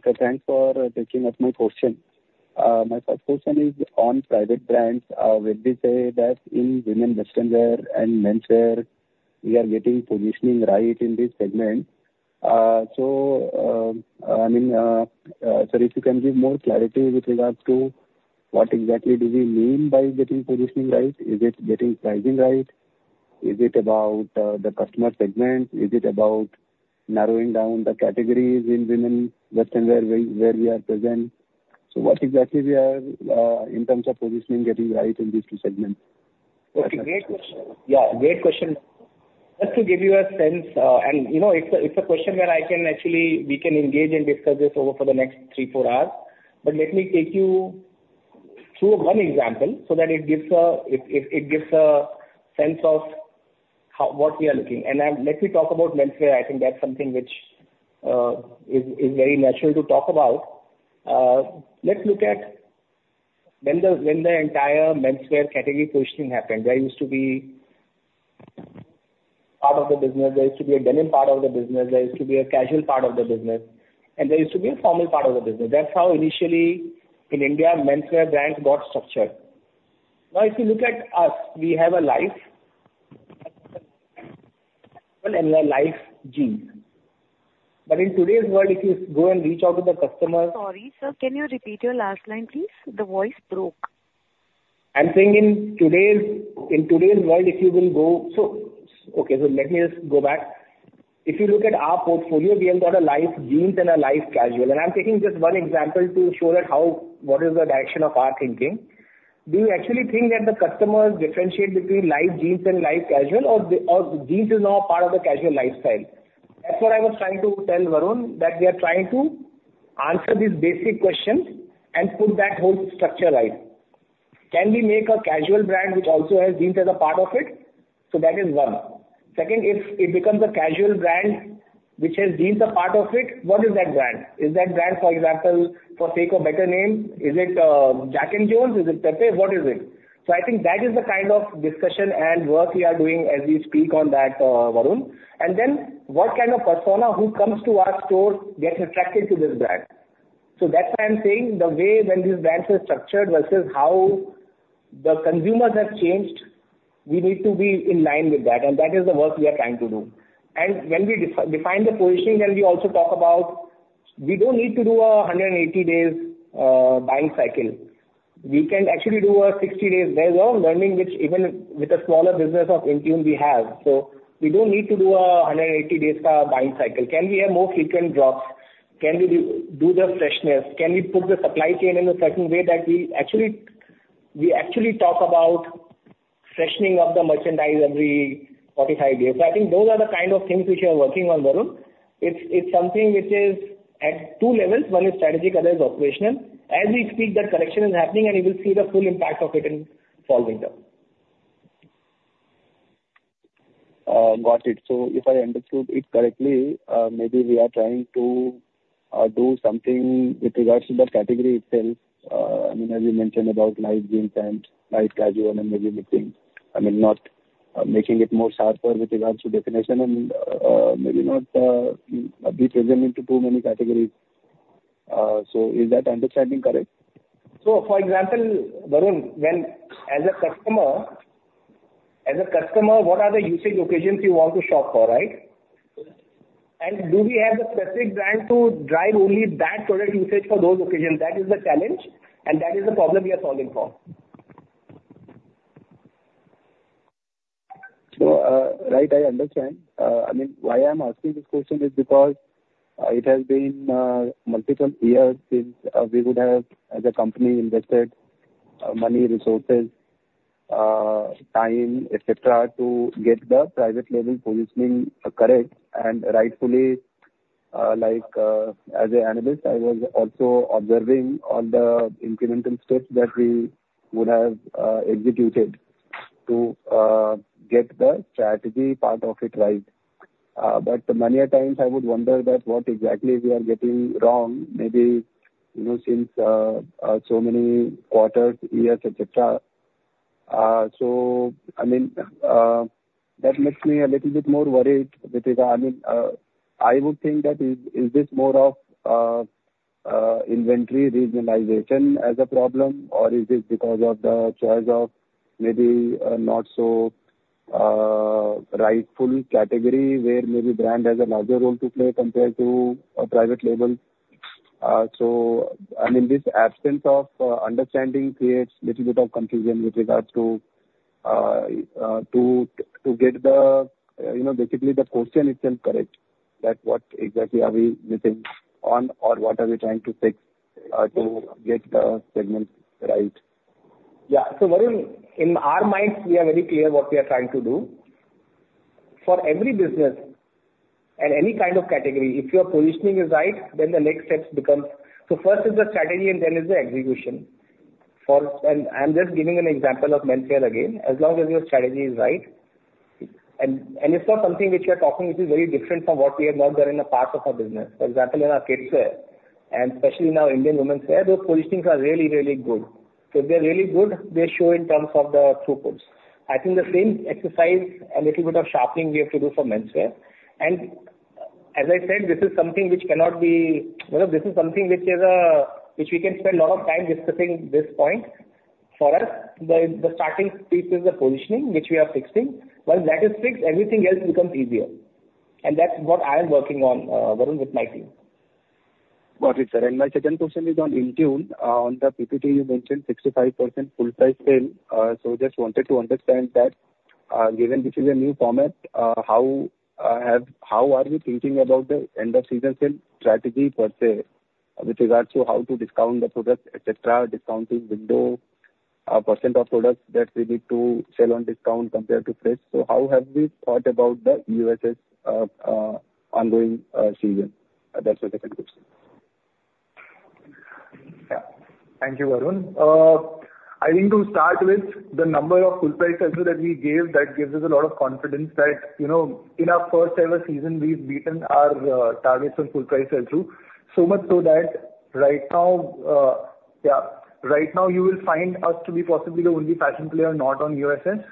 so thanks for taking up my question. My first question is on private brands. Where they say that in women western wear and menswear, we are getting positioning right in this segment. So, I mean, if you can give more clarity with regards to what exactly do we mean by getting positioning right? Is it getting pricing right? Is it about the customer segment? Is it about narrowing down the categories in women western wear where we are present? So what exactly we are in terms of positioning, getting right in these two segments? Okay, great. Yeah, great question. Just to give you a sense, and, you know, it's a question where I can actually, we can engage and discuss this over for the next three, four hours. But let me take you through one example so that it gives a sense of how, what we are looking. Let me talk about menswear. I think that's something which is very natural to talk about. Let's look at when the entire menswear category positioning happened, there used to be a part of the business, there used to be a denim part of the business, there used to be a casual part of the business, and there used to be a formal part of the business. That's how initially in India, menswear brands got structured. Now, if you look at us, we have a Life and we are Life Jeans. But in today's world, if you go and reach out to the customer- Sorry, sir, can you repeat your last line, please? The voice broke. I'm saying in today's, in today's world, if you will go so-- Okay, so let me just go back. If you look at our portfolio, we have got a Life Jeans and a Life Casual, and I'm taking just one example to show that how, what is the direction of our thinking. Do you actually think that the customers differentiate between Life Jeans and Life Casual, or the, or jeans is now a part of the casual lifestyle? That's what I was trying to tell, Varun, that we are trying to answer these basic questions and put that whole structure right. Can we make a casual brand which also has jeans as a part of it? So that is one. Second, if it becomes a casual brand which has jeans a part of it, what is that brand? Is that brand, for example, for the sake of a better name, is it Jack & Jones? Is it Pepe, what is it? So I think that is the kind of discussion and work we are doing as we speak on that, Varun. And then what kind of persona who comes to our store gets attracted to this brand? So that's why I'm saying the way when these brands are structured versus how the consumers have changed, we need to be in line with that, and that is the work we are trying to do. And when we define the positioning, then we also talk about, we don't need to do 180 days buying cycle. We can actually do 60 days. There's a learning, which even with a smaller business of Intune we have. So we don't need to do a 180 days, buying cycle. Can we have more frequent drops? Can we do, do the freshness? Can we put the supply chain in a certain way that we actually, we actually talk about freshening of the merchandise every 45 days. So I think those are the kind of things which we are working on, Varun. It's, it's something which is at two levels, one is strategic, other is operational. As we speak, that correction is happening, and you will see the full impact of it in following term. Got it. So if I understood it correctly, maybe we are trying to do something with regards to the category itself. I mean, as you mentioned about Life Jeans and Life Casual and maybe mixing, I mean, not making it more sharper with regards to definition and maybe not be present into too many categories. So is that understanding correct? For example, Varun, when as a customer, as a customer, what are the usage occasions you want to shop for, right? And do we have the specific brand to drive only that product usage for those occasions? That is the challenge, and that is the problem we are solving for. So, right, I understand. I mean, why I'm asking this question is because it has been multiple years since we would have, as a company, invested money, resources, time, et cetera, to get the private label positioning correct. And rightfully, like, as an analyst, I was also observing all the incremental steps that we would have executed to get the strategy part of it right. But many a times I would wonder that what exactly we are getting wrong, maybe, you know, since so many quarters, years, et cetera. So I mean, that makes me a little bit more worried with regard, I mean, I would think that is, is this more of, inventory regionalization as a problem, or is this because of the choice of maybe, not so rightful category, where maybe brand has a larger role to play compared to a private label? So, I mean, this absence of understanding creates little bit of confusion with regards to, to get the, you know, basically the question itself correct, that what exactly are we missing on, or what are we trying to fix, to get the segment right? Yeah. So Varun, in our minds, we are very clear what we are trying to do. For every business and any kind of category, if your positioning is right, then the next steps becomes so first is the strategy and then is the execution. For, and I'm just giving an example of menswear again, as long as your strategy is right, and, and it's not something which we are talking, which is very different from what we have not done in the past of our business. For example, in our kids wear, and especially now, Indian women's wear, those positionings are really, really good. So they're really good, they show in terms of the throughput. I think the same exercise and little bit of sharpening we have to do for menswear. As I said, this is something which cannot be, you know. This is something which we can spend a lot of time discussing this point. For us, the starting piece is the positioning, which we are fixing. Once that is fixed, everything else becomes easier. And that's what I am working on, Varun, with my team. Got it, sir. And my second question is on Intune. On the PPT, you mentioned 65% full price sale. So just wanted to understand that, given this is a new format, how are you thinking about the end of season sale strategy per se, with regards to how to discount the product, et cetera, discounting window, percent of products that we need to sell on discount compared to price. So how have we thought about the USS, ongoing season? That's the second question. Yeah. Thank you, Varun. I think to start with the number of full price sales that we gave, that gives us a lot of confidence that, you know, in our first ever season, we've beaten our targets on full price sell-through. So much so that right now. Yeah, right now you will find us to be possibly the only fashion player not on USS.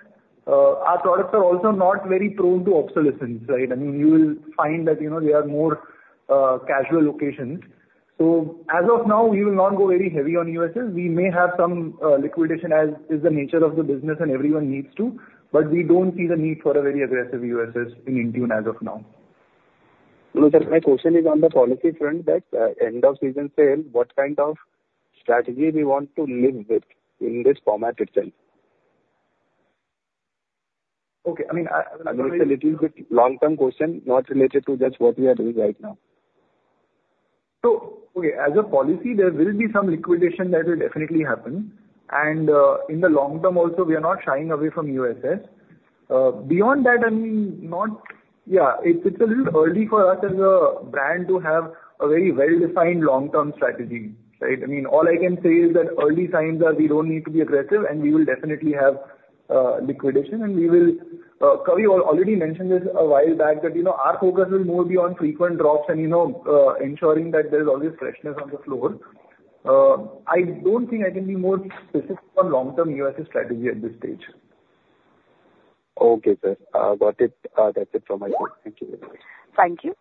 Our products are also not very prone to obsolescence, right? I mean, you will find that, you know, they are more casual locations. So as of now, we will not go very heavy on USS. We may have some liquidation, as is the nature of the business, and everyone needs to, but we don't see the need for a very aggressive USS in Intune as of now. No, sir, my question is on the policy front, that end of season sale, what kind of strategy we want to live with in this format itself? Okay. I mean, It's a little bit long-term question, not related to just what we are doing right now. So, okay, as a policy, there will be some liquidation. That will definitely happen. In the long term also, we are not shying away from USS. Beyond that, I mean, Yeah, it's, it's a little early for us as a brand to have a very well-defined long-term strategy, right? I mean, all I can say is that early signs are we don't need to be aggressive, and we will definitely have, liquidation, and we will, Kavi already mentioned this a while back, that, you know, our focus will more be on frequent drops and, you know, ensuring that there is always freshness on the floor. I don't think I can be more specific on long-term USS strategy at this stage. Okay, sir. Got it. That's it from my side. Thank you very much. Thank you.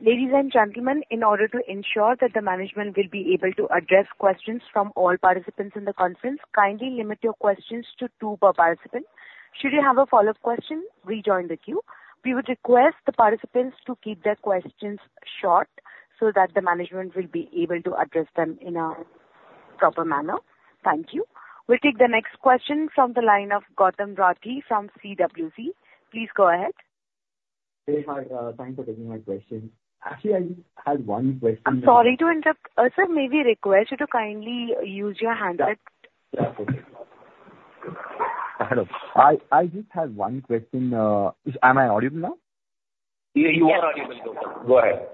Ladies and gentlemen, in order to ensure that the management will be able to address questions from all participants in the conference, kindly limit your questions to two per participant. Should you have a follow-up question, rejoin the queue. We would request the participants to keep their questions short so that the management will be able to address them in a proper manner. Thank you. We'll take the next question from the line of Gautam Rathi from CWC. Please go ahead. Hey, hi, thanks for taking my question. Actually, I had one question- I'm sorry to interrupt. Sir, may we request you to kindly use your handset? Yeah. Yeah, okay. Hello. I just had one question. Am I audible now? Yeah, you are audible, Gautam. Go ahead.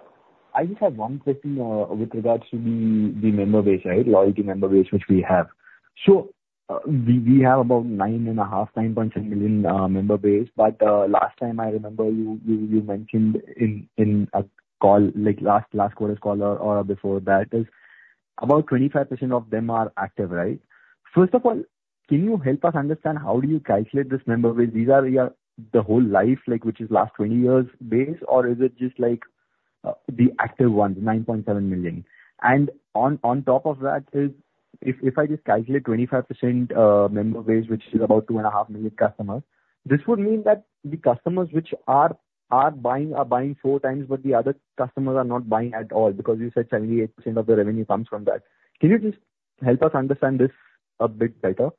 I just have one question, with regards to the member base, right? Loyalty member base, which we have. So, we have about 9.5, 9.7 million member base, but last time I remember, you mentioned in a call, like, last quarter call or before that, is about 25% of them are active, right? First of all, can you help us understand how do you calculate this member base? These are your, the whole life, like, which is last 20 years base, or is it just, like, the active ones, 9.7 million? And on top of that is, if I just calculate 25% member base, which is about 2.5 million customers, this would mean that the customers which are buying are buying four times, but the other customers are not buying at all, because you said 78% of the revenue comes from that. Can you just help us understand this a bit better?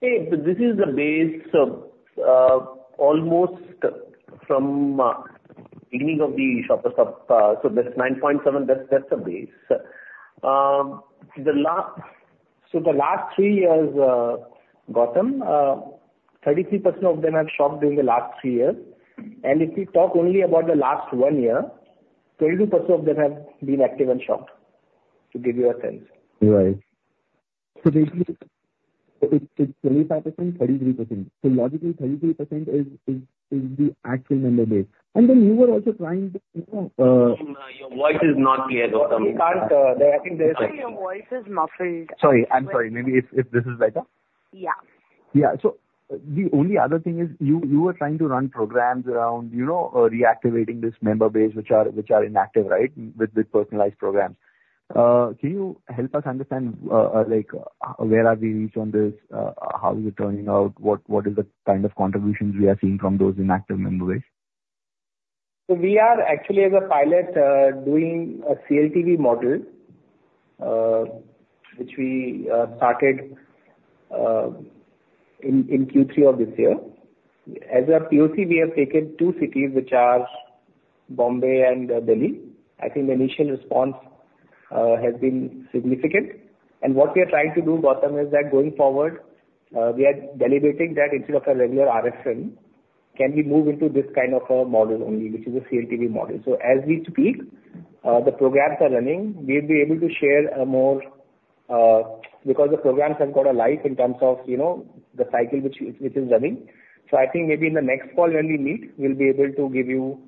Hey, this is the base of almost from beginning of the Shoppers Stop, so that's 9.7, that's the base. The last three years, Gautam, 33% of them have shopped during the last three years, and if we talk only about the last one year, 22% of them have been active and shopped, to give you a sense. Right. So basically, it's 25%, 33%. So logically, 33% is the actual member base. And then you were also trying to, Your voice is not clear, Gautam. We can't, I think there's- Your voice is muffled. Sorry. I'm sorry. Maybe if this is better? Yeah. Yeah. So the only other thing is you, you were trying to run programs around, you know, reactivating this member base, which are, which are inactive, right? With, with personalized programs. Can you help us understand, like, where are we reached on this? How is it turning out? What, what is the kind of contributions we are seeing from those inactive member base? So we are actually, as a pilot, doing a CLTV model, which we started in Q3 of this year. As a POC, we have taken two cities, which are Bombay and Delhi. I think the initial response has been significant. And what we are trying to do, Gautam, is that going forward, we are deliberating that instead of a regular RFM, can we move into this kind of a model only, which is a CLTV model? So as we speak, the programs are running. We'll be able to share more because the programs have got a life in terms of, you know, the cycle which is running. So I think maybe in the next call when we meet, we'll be able to give you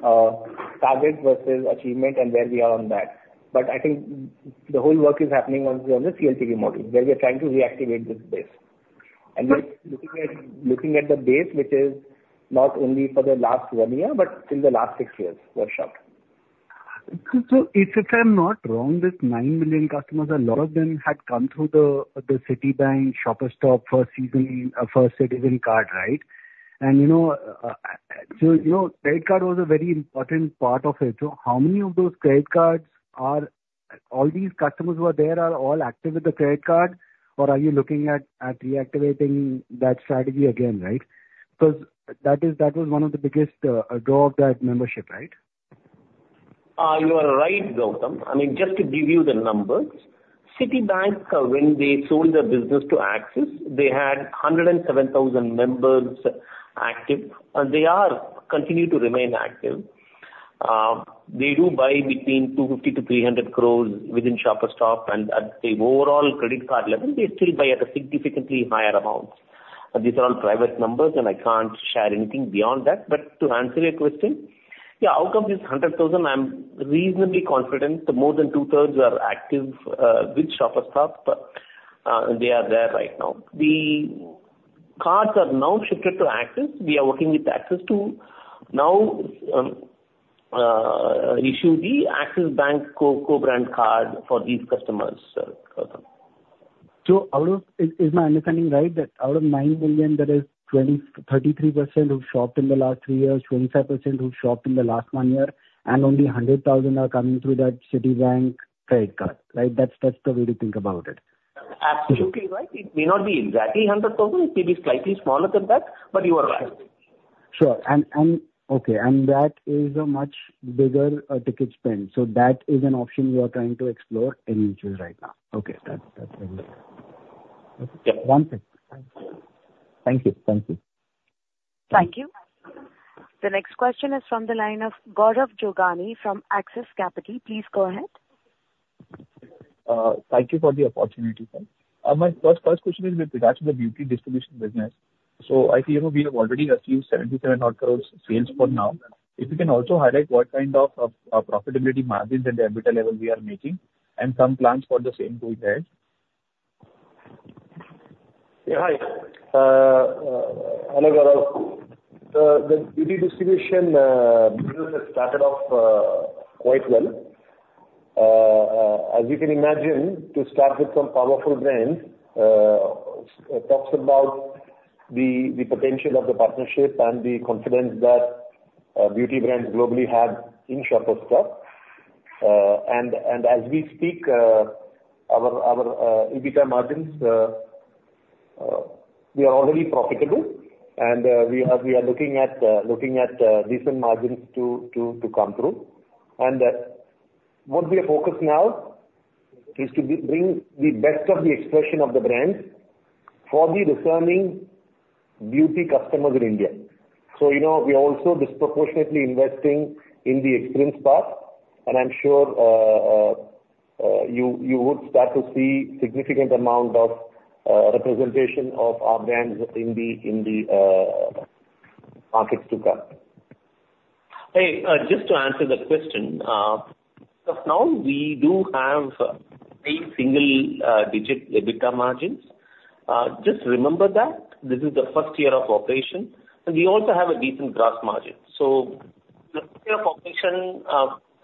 target versus achievement and where we are on that. But I think the whole work is happening on the CLTV model, where we are trying to reactivate this base. We're looking at the base, which is not only for the last one year, but in the last six years, Shoppers Stop. So if I'm not wrong, this 9 million customers, a lot of them had come through the Citibank Shoppers Stop First Citizen card, right? And, you know, credit card was a very important part of it. So how many of those credit cards are all these customers who are there are all active with the credit card, or are you looking at reactivating that strategy again, right? 'Cause that is, that was one of the biggest draw of that membership, right? You are right, Gautam. I mean, just to give you the numbers, Citibank, when they sold their business to Axis, they had 107,000 members active, and they continue to remain active. They do buy between 250 crore-300 crore within Shoppers Stop, and at the overall credit card level, they still buy at a significantly higher amount. These are all private numbers, and I can't share anything beyond that. But to answer your question, yeah, outcome is 100,000, I'm reasonably confident that more than two-thirds are active with Shoppers Stop; they are there right now. The cards are now shifted to Axis. We are working with Axis to now issue the Axis Bank co-brand card for these customers, Karuna. So out of—is my understanding right, that out of 9 million, that is 23% who've shopped in the last three years, 25% who've shopped in the last one year, and only 100,000 are coming through that Citibank credit card, right? That's the way to think about it. Absolutely right. It may not be exactly 100,000. It may be slightly smaller than that, but you are right. Sure. And okay, that is a much bigger ticket spend. So that is an option you are trying to explore in detail right now. Okay, that's very good. Yeah. Thank you. Thank you. Thank you. The next question is from the line of Gaurav Jogani from Axis Capital. Please go ahead. Thank you for the opportunity. My first question is with regards to the beauty distribution business. I think we have already achieved 77 crore sales for now. If you can also highlight what kind of profitability margins and the EBITDA level we are making and some plans for the same going ahead? Yeah, hi. Hello, Gaurav. The beauty distribution business has started off quite well. As you can imagine, to start with some powerful brands, talks about the potential of the partnership and the confidence that beauty brands globally have in Shoppers Stop. And as we speak, our EBITDA margins, we are already profitable and we are looking at decent margins to come through. And what we are focused now is to bring the best of the expression of the brands for the discerning beauty customers in India. So you know, we are also disproportionately investing in the experience part, and I'm sure, you would start to see significant amount of representation of our brands in the markets to come. Hey, just to answer the question, as now we do have high single digit EBITDA margins. Just remember that this is the first year of operation, and we also have a decent gross margin. So the year of operation,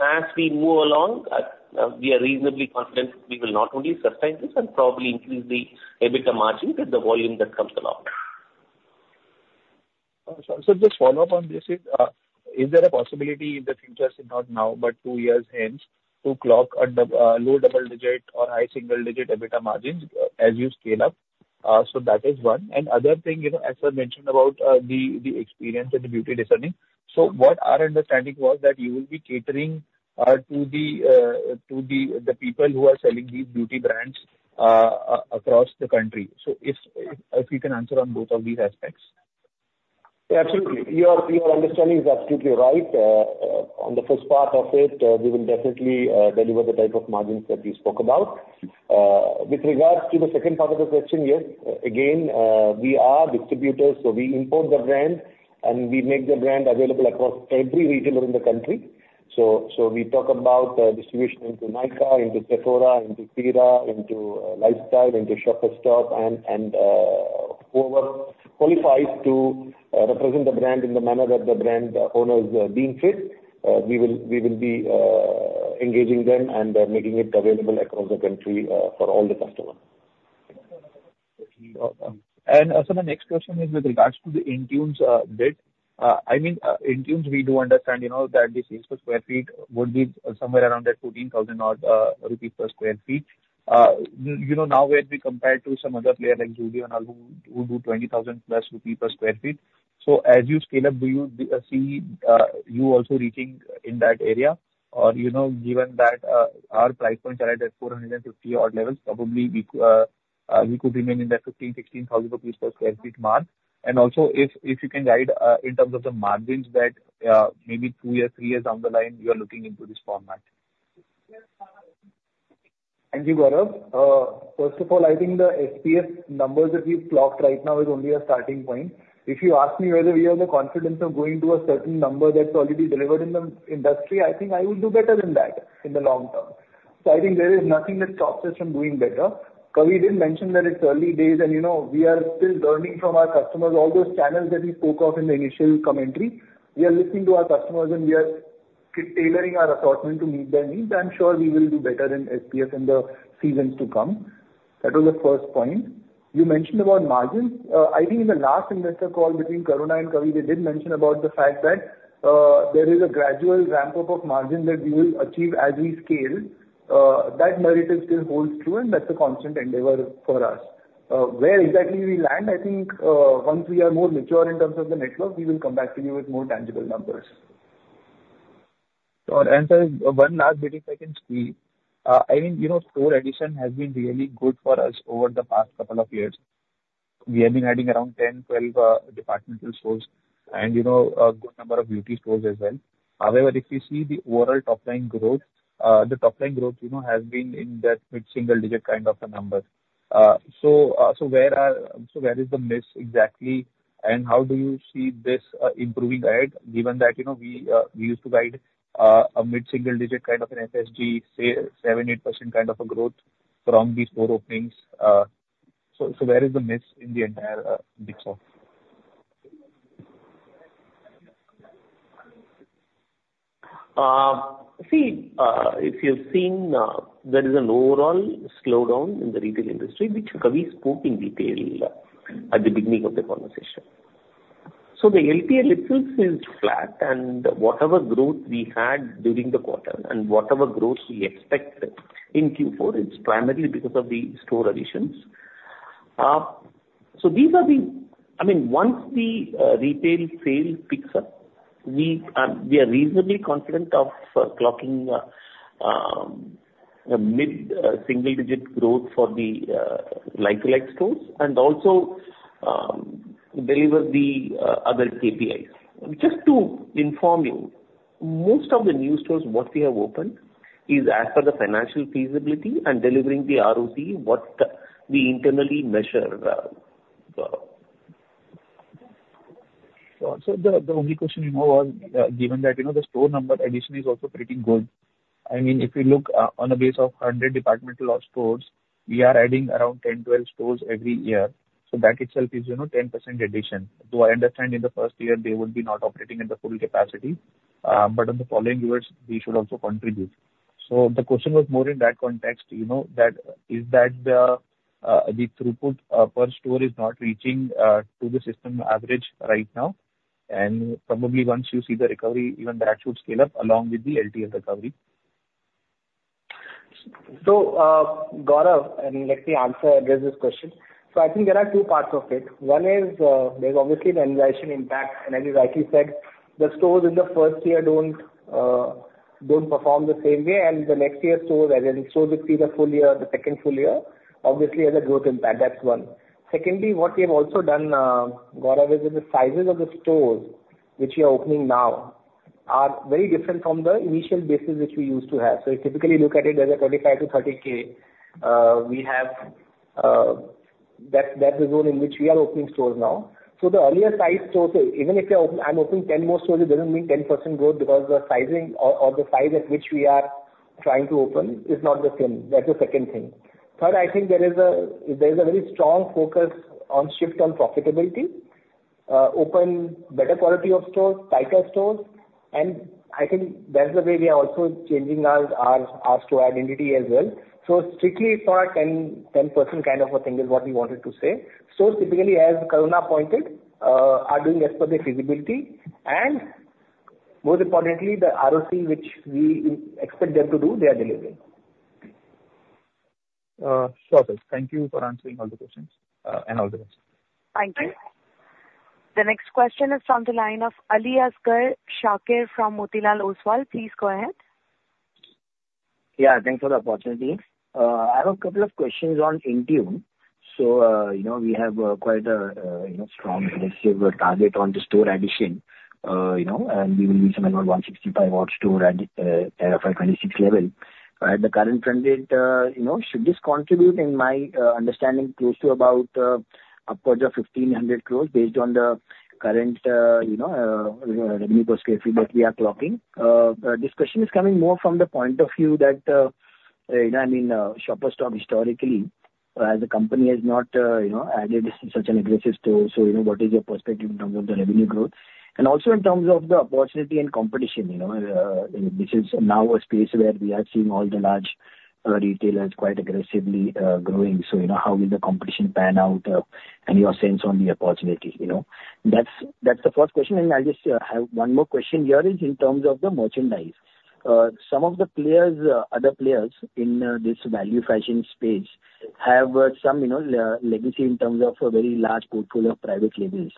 as we move along, we are reasonably confident we will not only sustain this and probably increase the EBITDA margin with the volume that comes along. So just follow up on this: is there a possibility in the future, if not now, but two years hence, to clock a low double digit or high single digit EBITDA margins as you scale up? So that is one. And other thing, you know, as I mentioned about the experience and the beauty discerning. So what our understanding was that you will be catering to the people who are selling these beauty brands across the country. So if you can answer on both of these aspects. Yeah, absolutely. Your, your understanding is absolutely right. On the first part of it, we will definitely deliver the type of margins that we spoke about. With regards to the second part of the question, yes. Again, we are distributors, so we import the brand, and we make the brand available across every retailer in the country. So, so we talk about distribution into Nykaa, into Sephora, into Tira, into Lifestyle, into Shoppers Stop, and, and whoever qualifies to represent the brand in the manner that the brand owners deem fit, we will, we will be engaging them and making it available across the country for all the customers. Also, my next question is with regards to the Intune brand. I mean, Intune, we do understand, you know, that the sales per sq ft would be somewhere around that 14,000-odd rupees per sq ft. You know, now where we compare to some other player like Zudio and all, who do 20,000+ rupees per sq ft. So as you scale up, do you see you also reaching in that area? Or, you know, given that our price points are at the 450-odd levels, probably we could remain in that 15,000-16,000 rupees per sq ft mark. And also, if you can guide in terms of the margins that maybe two years, three years down the line, you are looking into this format. Thank you, Gaurav. First of all, I think the SPS numbers that we've clocked right now is only a starting point. If you ask me whether we have the confidence of going to a certain number that's already delivered in the industry, I think I will do better than that in the long term. So I think there is nothing that stops us from doing better. Kavi did mention that it's early days, and, you know, we are still learning from our customers. All those channels that we spoke of in the initial commentary, we are listening to our customers, and we are tailoring our assortment to meet their needs. I'm sure we will do better in SPS in the seasons to come. That was the first point. You mentioned about margins. I think in the last investor call between Karuna and Kavi, they did mention about the fact that there is a gradual ramp-up of margin that we will achieve as we scale. That narrative still holds true, and that's a constant endeavor for us. Where exactly we land, I think, once we are more mature in terms of the network, we will come back to you with more tangible numbers. And one last bit, if I can see. I mean, you know, store addition has been really good for us over the past couple of years. We have been adding around 10, 12 department stores and, you know, a good number of beauty stores as well. However, if you see the overall top-line growth, the top-line growth, you know, has been in that mid-single digit kind of a number. So where is the miss exactly, and how do you see this improving ahead, given that, you know, we used to guide a mid-single digit kind of an SSG, say 7%-8% kind of a growth from these store openings. So where is the miss in the entire mix? See, if you've seen, there is an overall slowdown in the retail industry, which Kavi spoke in detail at the beginning of the conversation. So the LTL itself is flat, and whatever growth we had during the quarter and whatever growth we expect in Q4, it's primarily because of the store additions. So these are the, I mean, once the retail sale picks up, we are reasonably confident of clocking a mid-single-digit growth for the like-for-like stores, and also deliver the other KPIs. Just to inform you, most of the new stores what we have opened is as per the financial feasibility and delivering the ROC, what we internally measure. So the only question, you know, was, given that, you know, the store number addition is also pretty good. I mean, if you look, on the base of 100 departmental stores, we are adding around 10, 12 stores every year, so that itself is, you know, 10% addition. Though I understand in the first year they would be not operating at the full capacity, but in the following years, we should also contribute. So the question was more in that context, you know, that is, that, the throughput, per store is not reaching, to the system average right now, and probably once you see the recovery, even that should scale up along with the LTL recovery. So, Gaurav, and let me answer, address this question. So I think there are two parts of it. One is, there's obviously an impact, and as you rightly said, the stores in the first year don't perform the same way, and the next year stores, as in stores which see the full year, the second full year, obviously has a growth impact. That's one. Secondly, what we have also done, Gaurav, is the sizes of the stores which we are opening now are very different from the initial bases which we used to have. So you typically look at it as a 25-30 K. We have, that's, that's the zone in which we are opening stores now. So the earlier size stores, even if I open, I'm opening 10 more stores, it doesn't mean 10% growth because the sizing or the size at which we are trying to open is not the same. That's the second thing. Third, I think there is a very strong focus on shift on profitability. Open better quality of stores, tighter stores, and I think that's the way we are also changing our store identity as well. So strictly for a 10, 10% kind of a thing is what we wanted to say. Stores typically, as Karuna pointed, are doing as per their feasibility, and most importantly, the ROC, which we expect them to do, they are delivering. Sure, sir. Thank you for answering all the questions, and all the best. Thank you. The next question is from the line of Aliasgar Shakir from Motilal Oswal. Please go ahead. Yeah, thanks for the opportunity. I have a couple of questions on Intune. So, you know, we have quite a you know, strong aggressive target on the store addition, you know, and we will be somewhere around 165 stores at FY 2026 level. At the current run rate, you know, should this contribute, in my understanding, close to about upwards of 1,500 crore based on the current you know, revenue per sq ft that we are clocking? This question is coming more from the point of view that, you know, I mean, Shoppers Stop historically, as a company, has not you know, added such an aggressive store. So, you know, what is your perspective in terms of the revenue growth? Also in terms of the opportunity and competition, you know, this is now a space where we are seeing all the large retailers quite aggressively growing. So, you know, how will the competition pan out, and your sense on the opportunity, you know? That's the first question. I'll just have one more question here is in terms of the merchandise. Some of the players, other players in this value fashion space have some, you know, legacy in terms of a very large portfolio of private labels.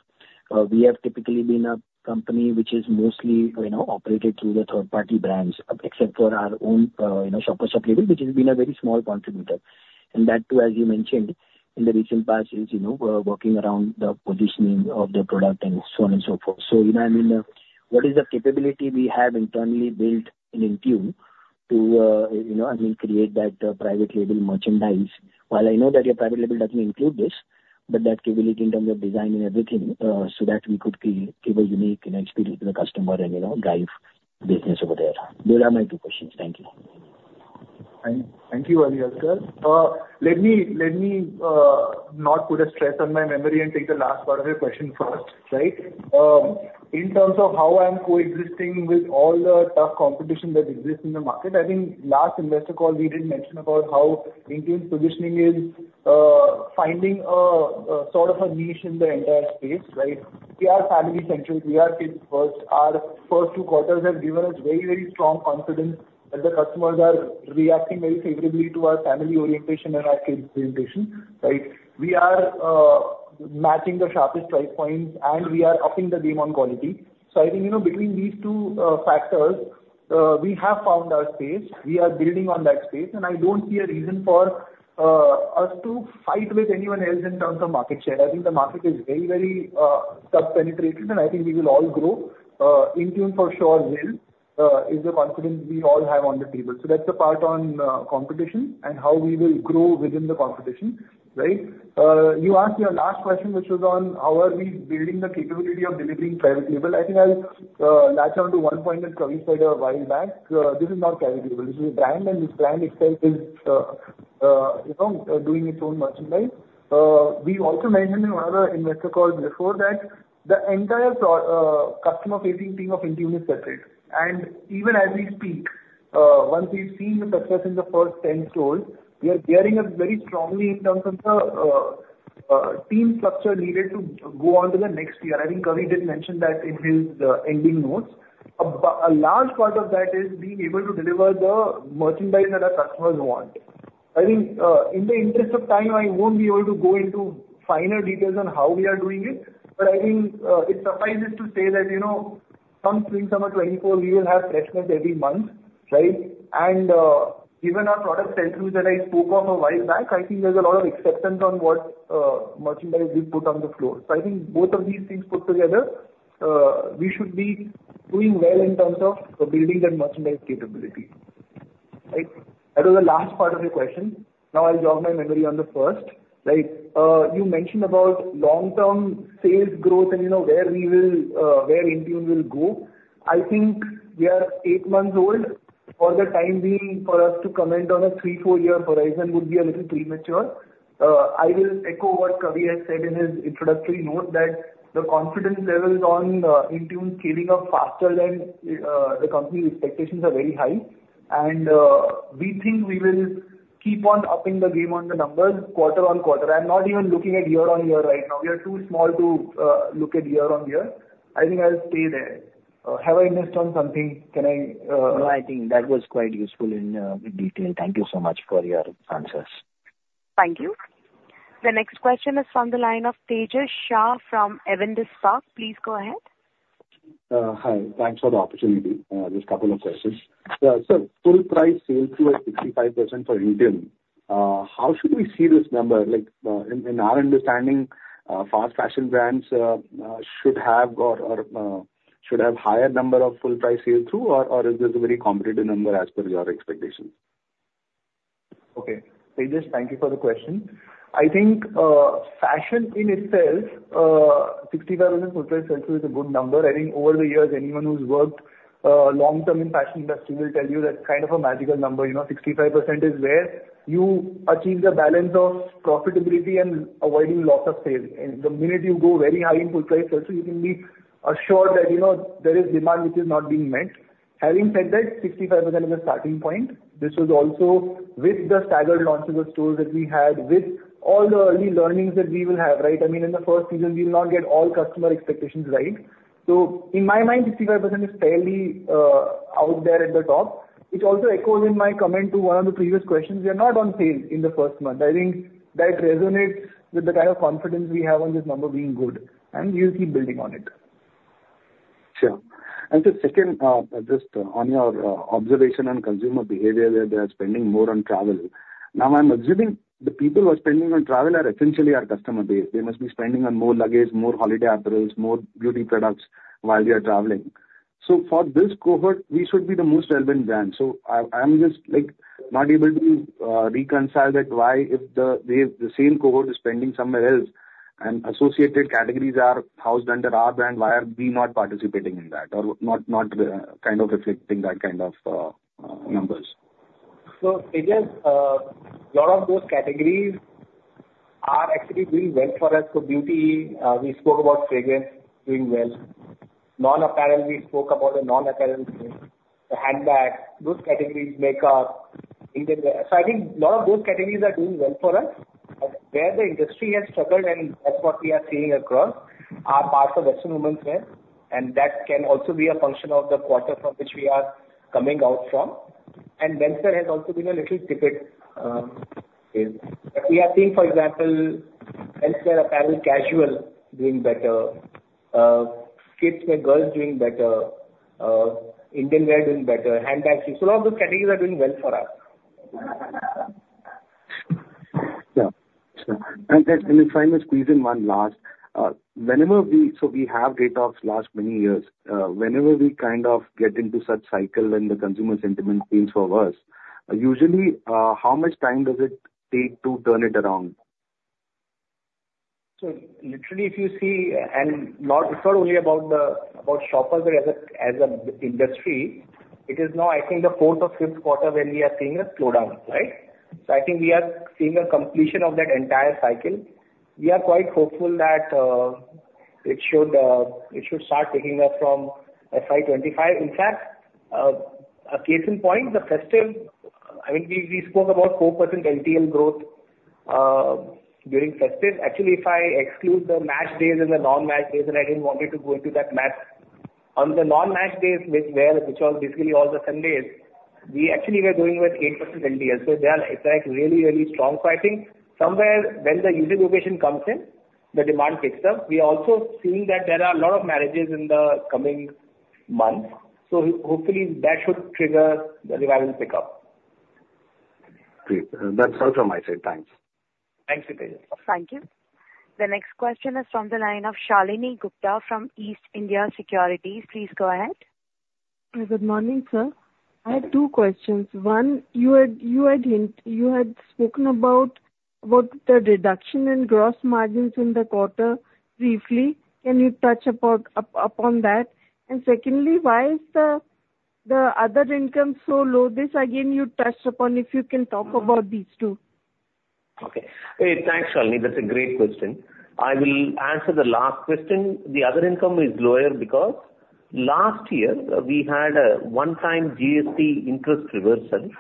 We have typically been a company which is mostly, you know, operated through the third-party brands, except for our own, you know, Shoppers Stop label, which has been a very small contributor. And that, too, as you mentioned, in the recent past, is, you know, we're working around the positioning of the product and so on and so forth. So, you know, I mean, what is the capability we have internally built in Intune to, you know, I mean, create that, private label merchandise? While I know that your private label doesn't include this, but that capability in terms of design and everything, so that we could give a unique and experience to the customer and, you know, drive business over there. Those are my two questions. Thank you. Thank you, Aliasgar. Let me not put a stress on my memory and take the last part of your question first, right? In terms of how I'm coexisting with all the tough competition that exists in the market, I think last investor call we did mention about how Intune's positioning is finding a sort of a niche in the entire space, right? We are family centered, we are kids first. Our first two quarters have given us very, very strong confidence that the customers are reacting very favorably to our family orientation and our kids' orientation, right? We are matching the sharpest price points, and we are upping the game on quality. So I think, you know, between these two factors, we have found our space, we are building on that space, and I don't see a reason for us to fight with anyone else in terms of market share. I think the market is very, very under-penetrated, and I think we will all grow. Intune for sure is the confidence we all have on the table. So that's the part on competition and how we will grow within the competition, right? You asked your last question, which was on how we are building the capability of delivering private label. I think I'll latch on to one point that Kavi said a while back. This is not private label, this is a brand, and this brand itself is, you know, doing its own merchandise. We also mentioned in one of our investor calls before that the entire customer-facing team of Intune is separate. Even as we speak, once we've seen the success in the first 10 stores, we are gearing up very strongly in terms of the team structure needed to go on to the next year. I think Kavi did mention that in his ending notes. A large part of that is being able to deliver the merchandise that our customers want. I think, in the interest of time, I won't be able to go into finer details on how we are doing it. But I think, it suffices to say that, you know, come spring/summer 2024, we will have freshness every month, right? Given our product sell-through that I spoke on a while back, I think there's a lot of acceptance on what, merchandise we put on the floor. So I think both of these things put together, we should be doing well in terms of building that merchandise capability. Right. That was the last part of your question. Now, I'll jog my memory on the first. Like, you mentioned about long-term sales growth and, you know, where we will, where Intune will go. I think we are eight months old. For the time being, for us to comment on a three-four-year horizon would be a little premature. I will echo what Kavi has said in his introductory note, that the confidence levels on, Intune scaling up faster than, the company's expectations are very high. We think we will keep on upping the game on the numbers quarter-on-quarter. I'm not even looking at year-on-year right now. We are too small to look at year-on-year. I think I'll stay there. Have I missed on something? Can I No, I think that was quite useful in, in detail. Thank you so much for your answers. Thank you. The next question is from the line of Tejas Shah from Avendus Spark. Please go ahead. Hi. Thanks for the opportunity. Just a couple of questions. So full price sales were 65% for Intune. How should we see this number? Like, in our understanding, fast fashion brands should have higher number of full price sell-through, or is this a very competitive number as per your expectations? Okay. Tejas, thank you for the question. I think, fashion in itself, 65% full price sell-through is a good number. I think over the years, anyone who's worked, long-term in fashion industry will tell you that's kind of a magical number. You know, 65% is where you achieve the balance of profitability and avoiding loss of sales. And the minute you go very high in full price sell-through, you can be assured that, you know, there is demand which is not being met. Having said that, 65% is a starting point. This was also with the staggered launches of stores that we had, with all the early learnings that we will have, right? I mean, in the first season, we will not get all customer expectations right. In my mind, 65% is fairly out there at the top, which also echoes in my comment to one of the previous questions. We are not on sales in the first month. I think that resonates with the kind of confidence we have on this number being good, and we will keep building on it. Sure. And the second, just on your observation on consumer behavior, where they are spending more on travel. Now, I'm assuming the people who are spending on travel are essentially our customer base. They must be spending on more luggage, more holiday apparels, more beauty products while they are traveling. So for this cohort, we should be the most relevant brand. So I, I'm just, like, not able to reconcile that why if the same cohort is spending somewhere else and associated categories are housed under our brand, why are we not participating in that or not kind of reflecting that kind of numbers? So Tejas, a lot of those categories are actually doing well for us. So beauty, we spoke about fragrance doing well. Non-apparel, we spoke about the non-apparel, the handbags, those categories, makeup, Indian wear. So I think a lot of those categories are doing well for us. Where the industry has struggled, and that's what we are seeing across, are parts of western women's wear, and that can also be a function of the quarter from which we are coming out from. And menswear has also been a little tepid in. But we are seeing, for example, menswear apparel casual doing better, kids and girls doing better, Indian wear doing better, handbags. So a lot of those categories are doing well for us. Yeah. Sure. And, and, and if I may squeeze in one last, whenever we, So we have data of last many years, whenever we kind of get into such cycle and the consumer sentiment seems to be worse, usually, how much time does it take to turn it around? So literally, if you see, it's not only about Shoppers, but as a broader industry, it is now, I think, the fourth or fifth quarter when we are seeing a slowdown, right? So I think we are seeing a completion of that entire cycle. We are quite hopeful that it should start picking up from FY 2025. In fact, a case in point, the festive, I mean, we spoke about 4% LTL growth during festive. Actually, if I exclude the match days and the non-match days, and I don't want to go into that match, on the non-match days, which was basically all the Sundays. We actually were going with 8% LTL, so it's like really, really strong. I think somewhere when the usual occasion comes in, the demand picks up. We are also seeing that there are a lot of marriages in the coming months, so hopefully that should trigger the revival pick up. Great. That's all from my side. Thanks. Thanks, Tejas. Thank you. The next question is from the line of Shalini Gupta from East India Securities. Please go ahead. Good morning, sir. I have two questions. One, you had spoken about the reduction in gross margins in the quarter briefly. Can you touch upon that? And secondly, why is the other income so low? This again, you touched upon, if you can talk about these two. Okay. Hey, thanks, Shalini. That's a great question. I will answer the last question. The other income is lower because last year we had a one-time GST interest reversal,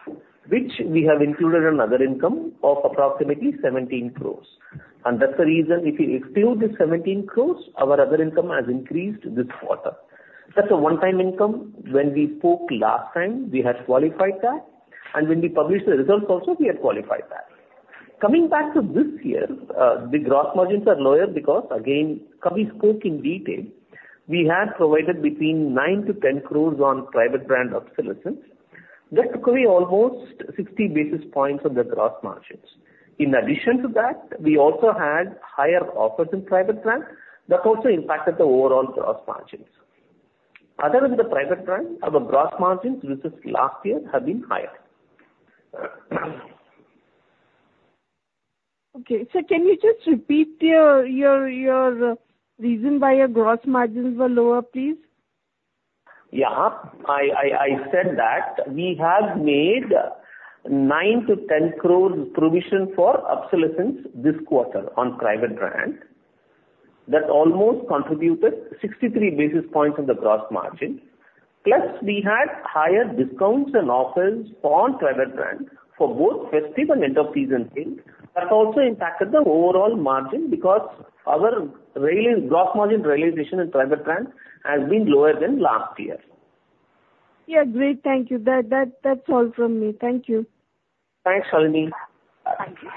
which we have included in other income of approximately 17 crores. And that's the reason if you exclude the 17 crores, our other income has increased this quarter. That's a one-time income. When we spoke last time, we had qualified that, and when we published the results also, we had qualified that. Coming back to this year, the gross margins are lower because again, Kavi spoke in detail. We had provided between 9-10 crores on private brand obsolescence. That took away almost 60 basis points on the gross margins. In addition to that, we also had higher offers in private brand. That also impacted the overall gross margins. Other than the private brand, our gross margins versus last year have been higher. Okay. So can you just repeat your reason why your gross margins were lower, please? Yeah. I said that we have made 9-10 crore provision for obsolescence this quarter on private brand. That almost contributed 63 basis points on the gross margin. Plus, we had higher discounts and offers on private brand for both festive and end of season sales. That also impacted the overall margin because our realized, gross margin realization in private brand has been lower than last year. Yeah, great. Thank you. That, that's all from me. Thank you. Thanks, Shalini. Thank you.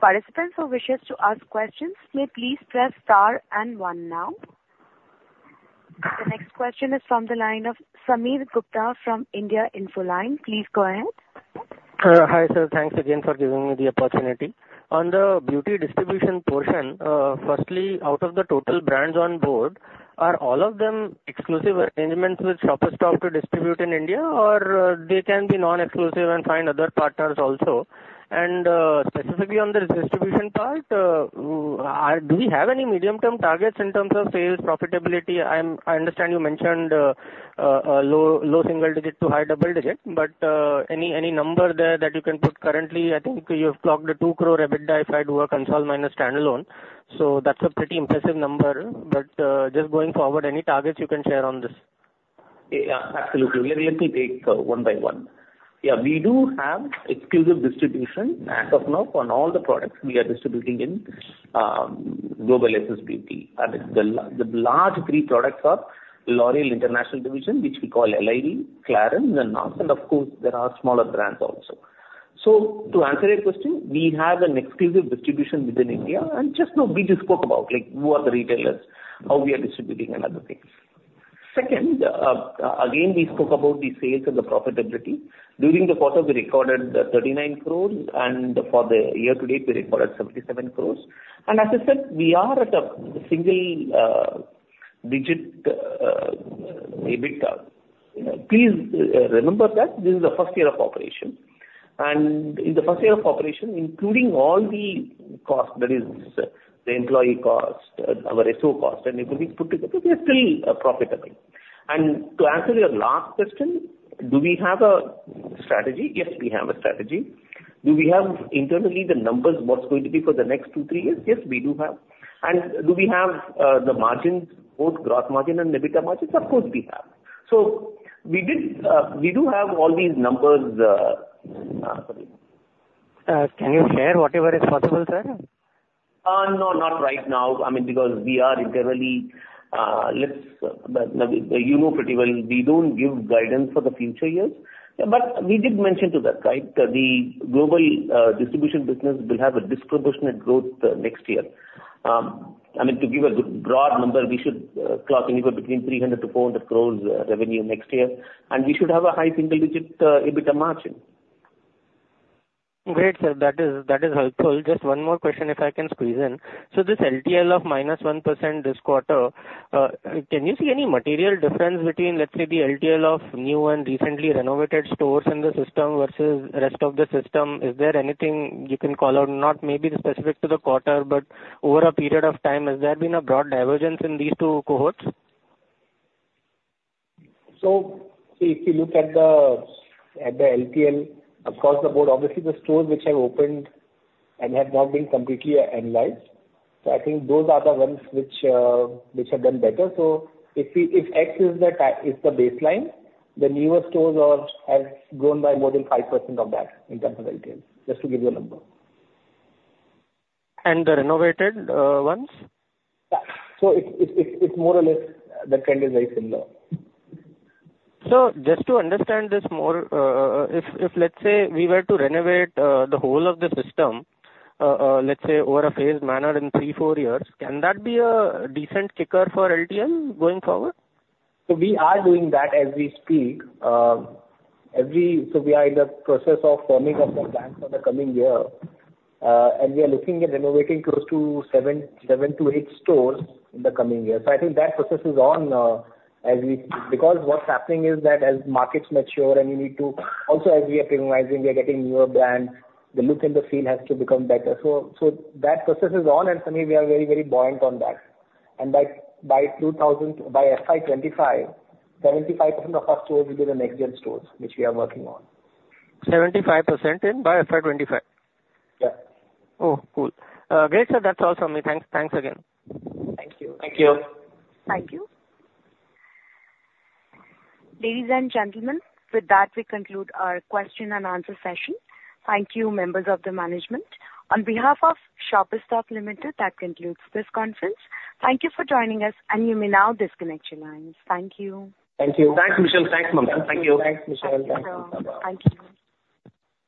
Participants who wish to ask questions may please press star and one now. The next question is from the line of Sameer Gupta from India Infoline. Please go ahead. Hi, sir. Thanks again for giving me the opportunity. On the beauty distribution portion, firstly, out of the total brands on board, are all of them exclusive arrangements with Shoppers Stop to distribute in India, or, they can be non-exclusive and find other partners also? Specifically on the distribution part, do we have any medium-term targets in terms of sales, profitability? I understand you mentioned a low single digit to high double digit, but any number there that you can put currently? I think you have clocked 2 crore EBITDA, if I do a consolidated minus standalone. So that's a pretty impressive number. Just going forward, any targets you can share on this? Yeah, absolutely. Let me take one by one. Yeah, we do have exclusive distribution as of now on all the products we are distributing in Global SS Beauty. I mean, the large three products are L'Oréal International Division, which we call LID, Clarins and NARS, and of course, there are smaller brands also. So to answer your question, we have an exclusive distribution within India, and just now we just spoke about, like, who are the retailers, how we are distributing and other things. Second, again, we spoke about the sales and the profitability. During the quarter, we recorded 39 crores, and for the year to date, we recorded 77 crores. And as I said, we are at a single digit EBITDA. Please, remember that this is the first year of operation, and in the first year of operation, including all the costs, that is the employee cost, our SO cost, and everything put together, we are still profitable. And to answer your last question, do we have a strategy? Yes, we have a strategy. Do we have internally the numbers, what's going to be for the next two, three years? Yes, we do have. And do we have the margins, both gross margin and EBITDA margins? Of course, we have. So we did, we do have all these numbers. Can you share whatever is possible, sir? No, not right now. I mean, because we are internally, you know pretty well, we don't give guidance for the future years, but we did mention to that, right? The global distribution business will have a disproportionate growth next year. I mean, to give a good broad number, we should clock anywhere between 300 crore-400 crore revenue next year, and we should have a high single digit EBITDA margin. Great, sir. That is, that is helpful. Just one more question, if I can squeeze in. So this LTL of -1% this quarter, can you see any material difference between, let's say, the LTL of new and recently renovated stores in the system versus rest of the system? Is there anything you can call out? Not maybe specific to the quarter, but over a period of time, has there been a broad divergence in these two cohorts? So if you look at the LTL, of course, the board, obviously the stores which have opened and have not been completely analyzed, so I think those are the ones which have done better. So if X is the baseline, the newer stores have grown by more than 5% of that in terms of LTL, just to give you a number. The renovated ones? Yeah. So it's more or less the trend is very similar. Sir, just to understand this more, if let's say we were to renovate the whole of the system, let's say, over a phased manner in three-four years, can that be a decent kicker for LTL going forward? So we are doing that as we speak. We are in the process of firming up the plans for the coming year, and we are looking at renovating close to seven-eight stores in the coming year. I think that process is on. Because what's happening is that as markets mature. Also, as we are preimumizing, we are getting newer brands, the look and feel has to become better. So that process is on, and Sameer, we are very, very buoyant on that. And by 2025, by FY 2025, 75% of our stores will be the next gen stores, which we are working on. 75% in by FY 2025? Yeah. Oh, cool. Great, sir. That's all from me. Thanks, thanks again. Thank you. Thank you. Thank you. Ladies and gentlemen, with that, we conclude our question and answer session. Thank you, members of the management. On behalf of Shoppers Stop Limited, that concludes this conference. Thank you for joining us, and you may now disconnect your lines. Thank you. Thank you. Thanks, Michelle. Thanks, Mamta. Thank you. Thanks, Michelle. Thank you.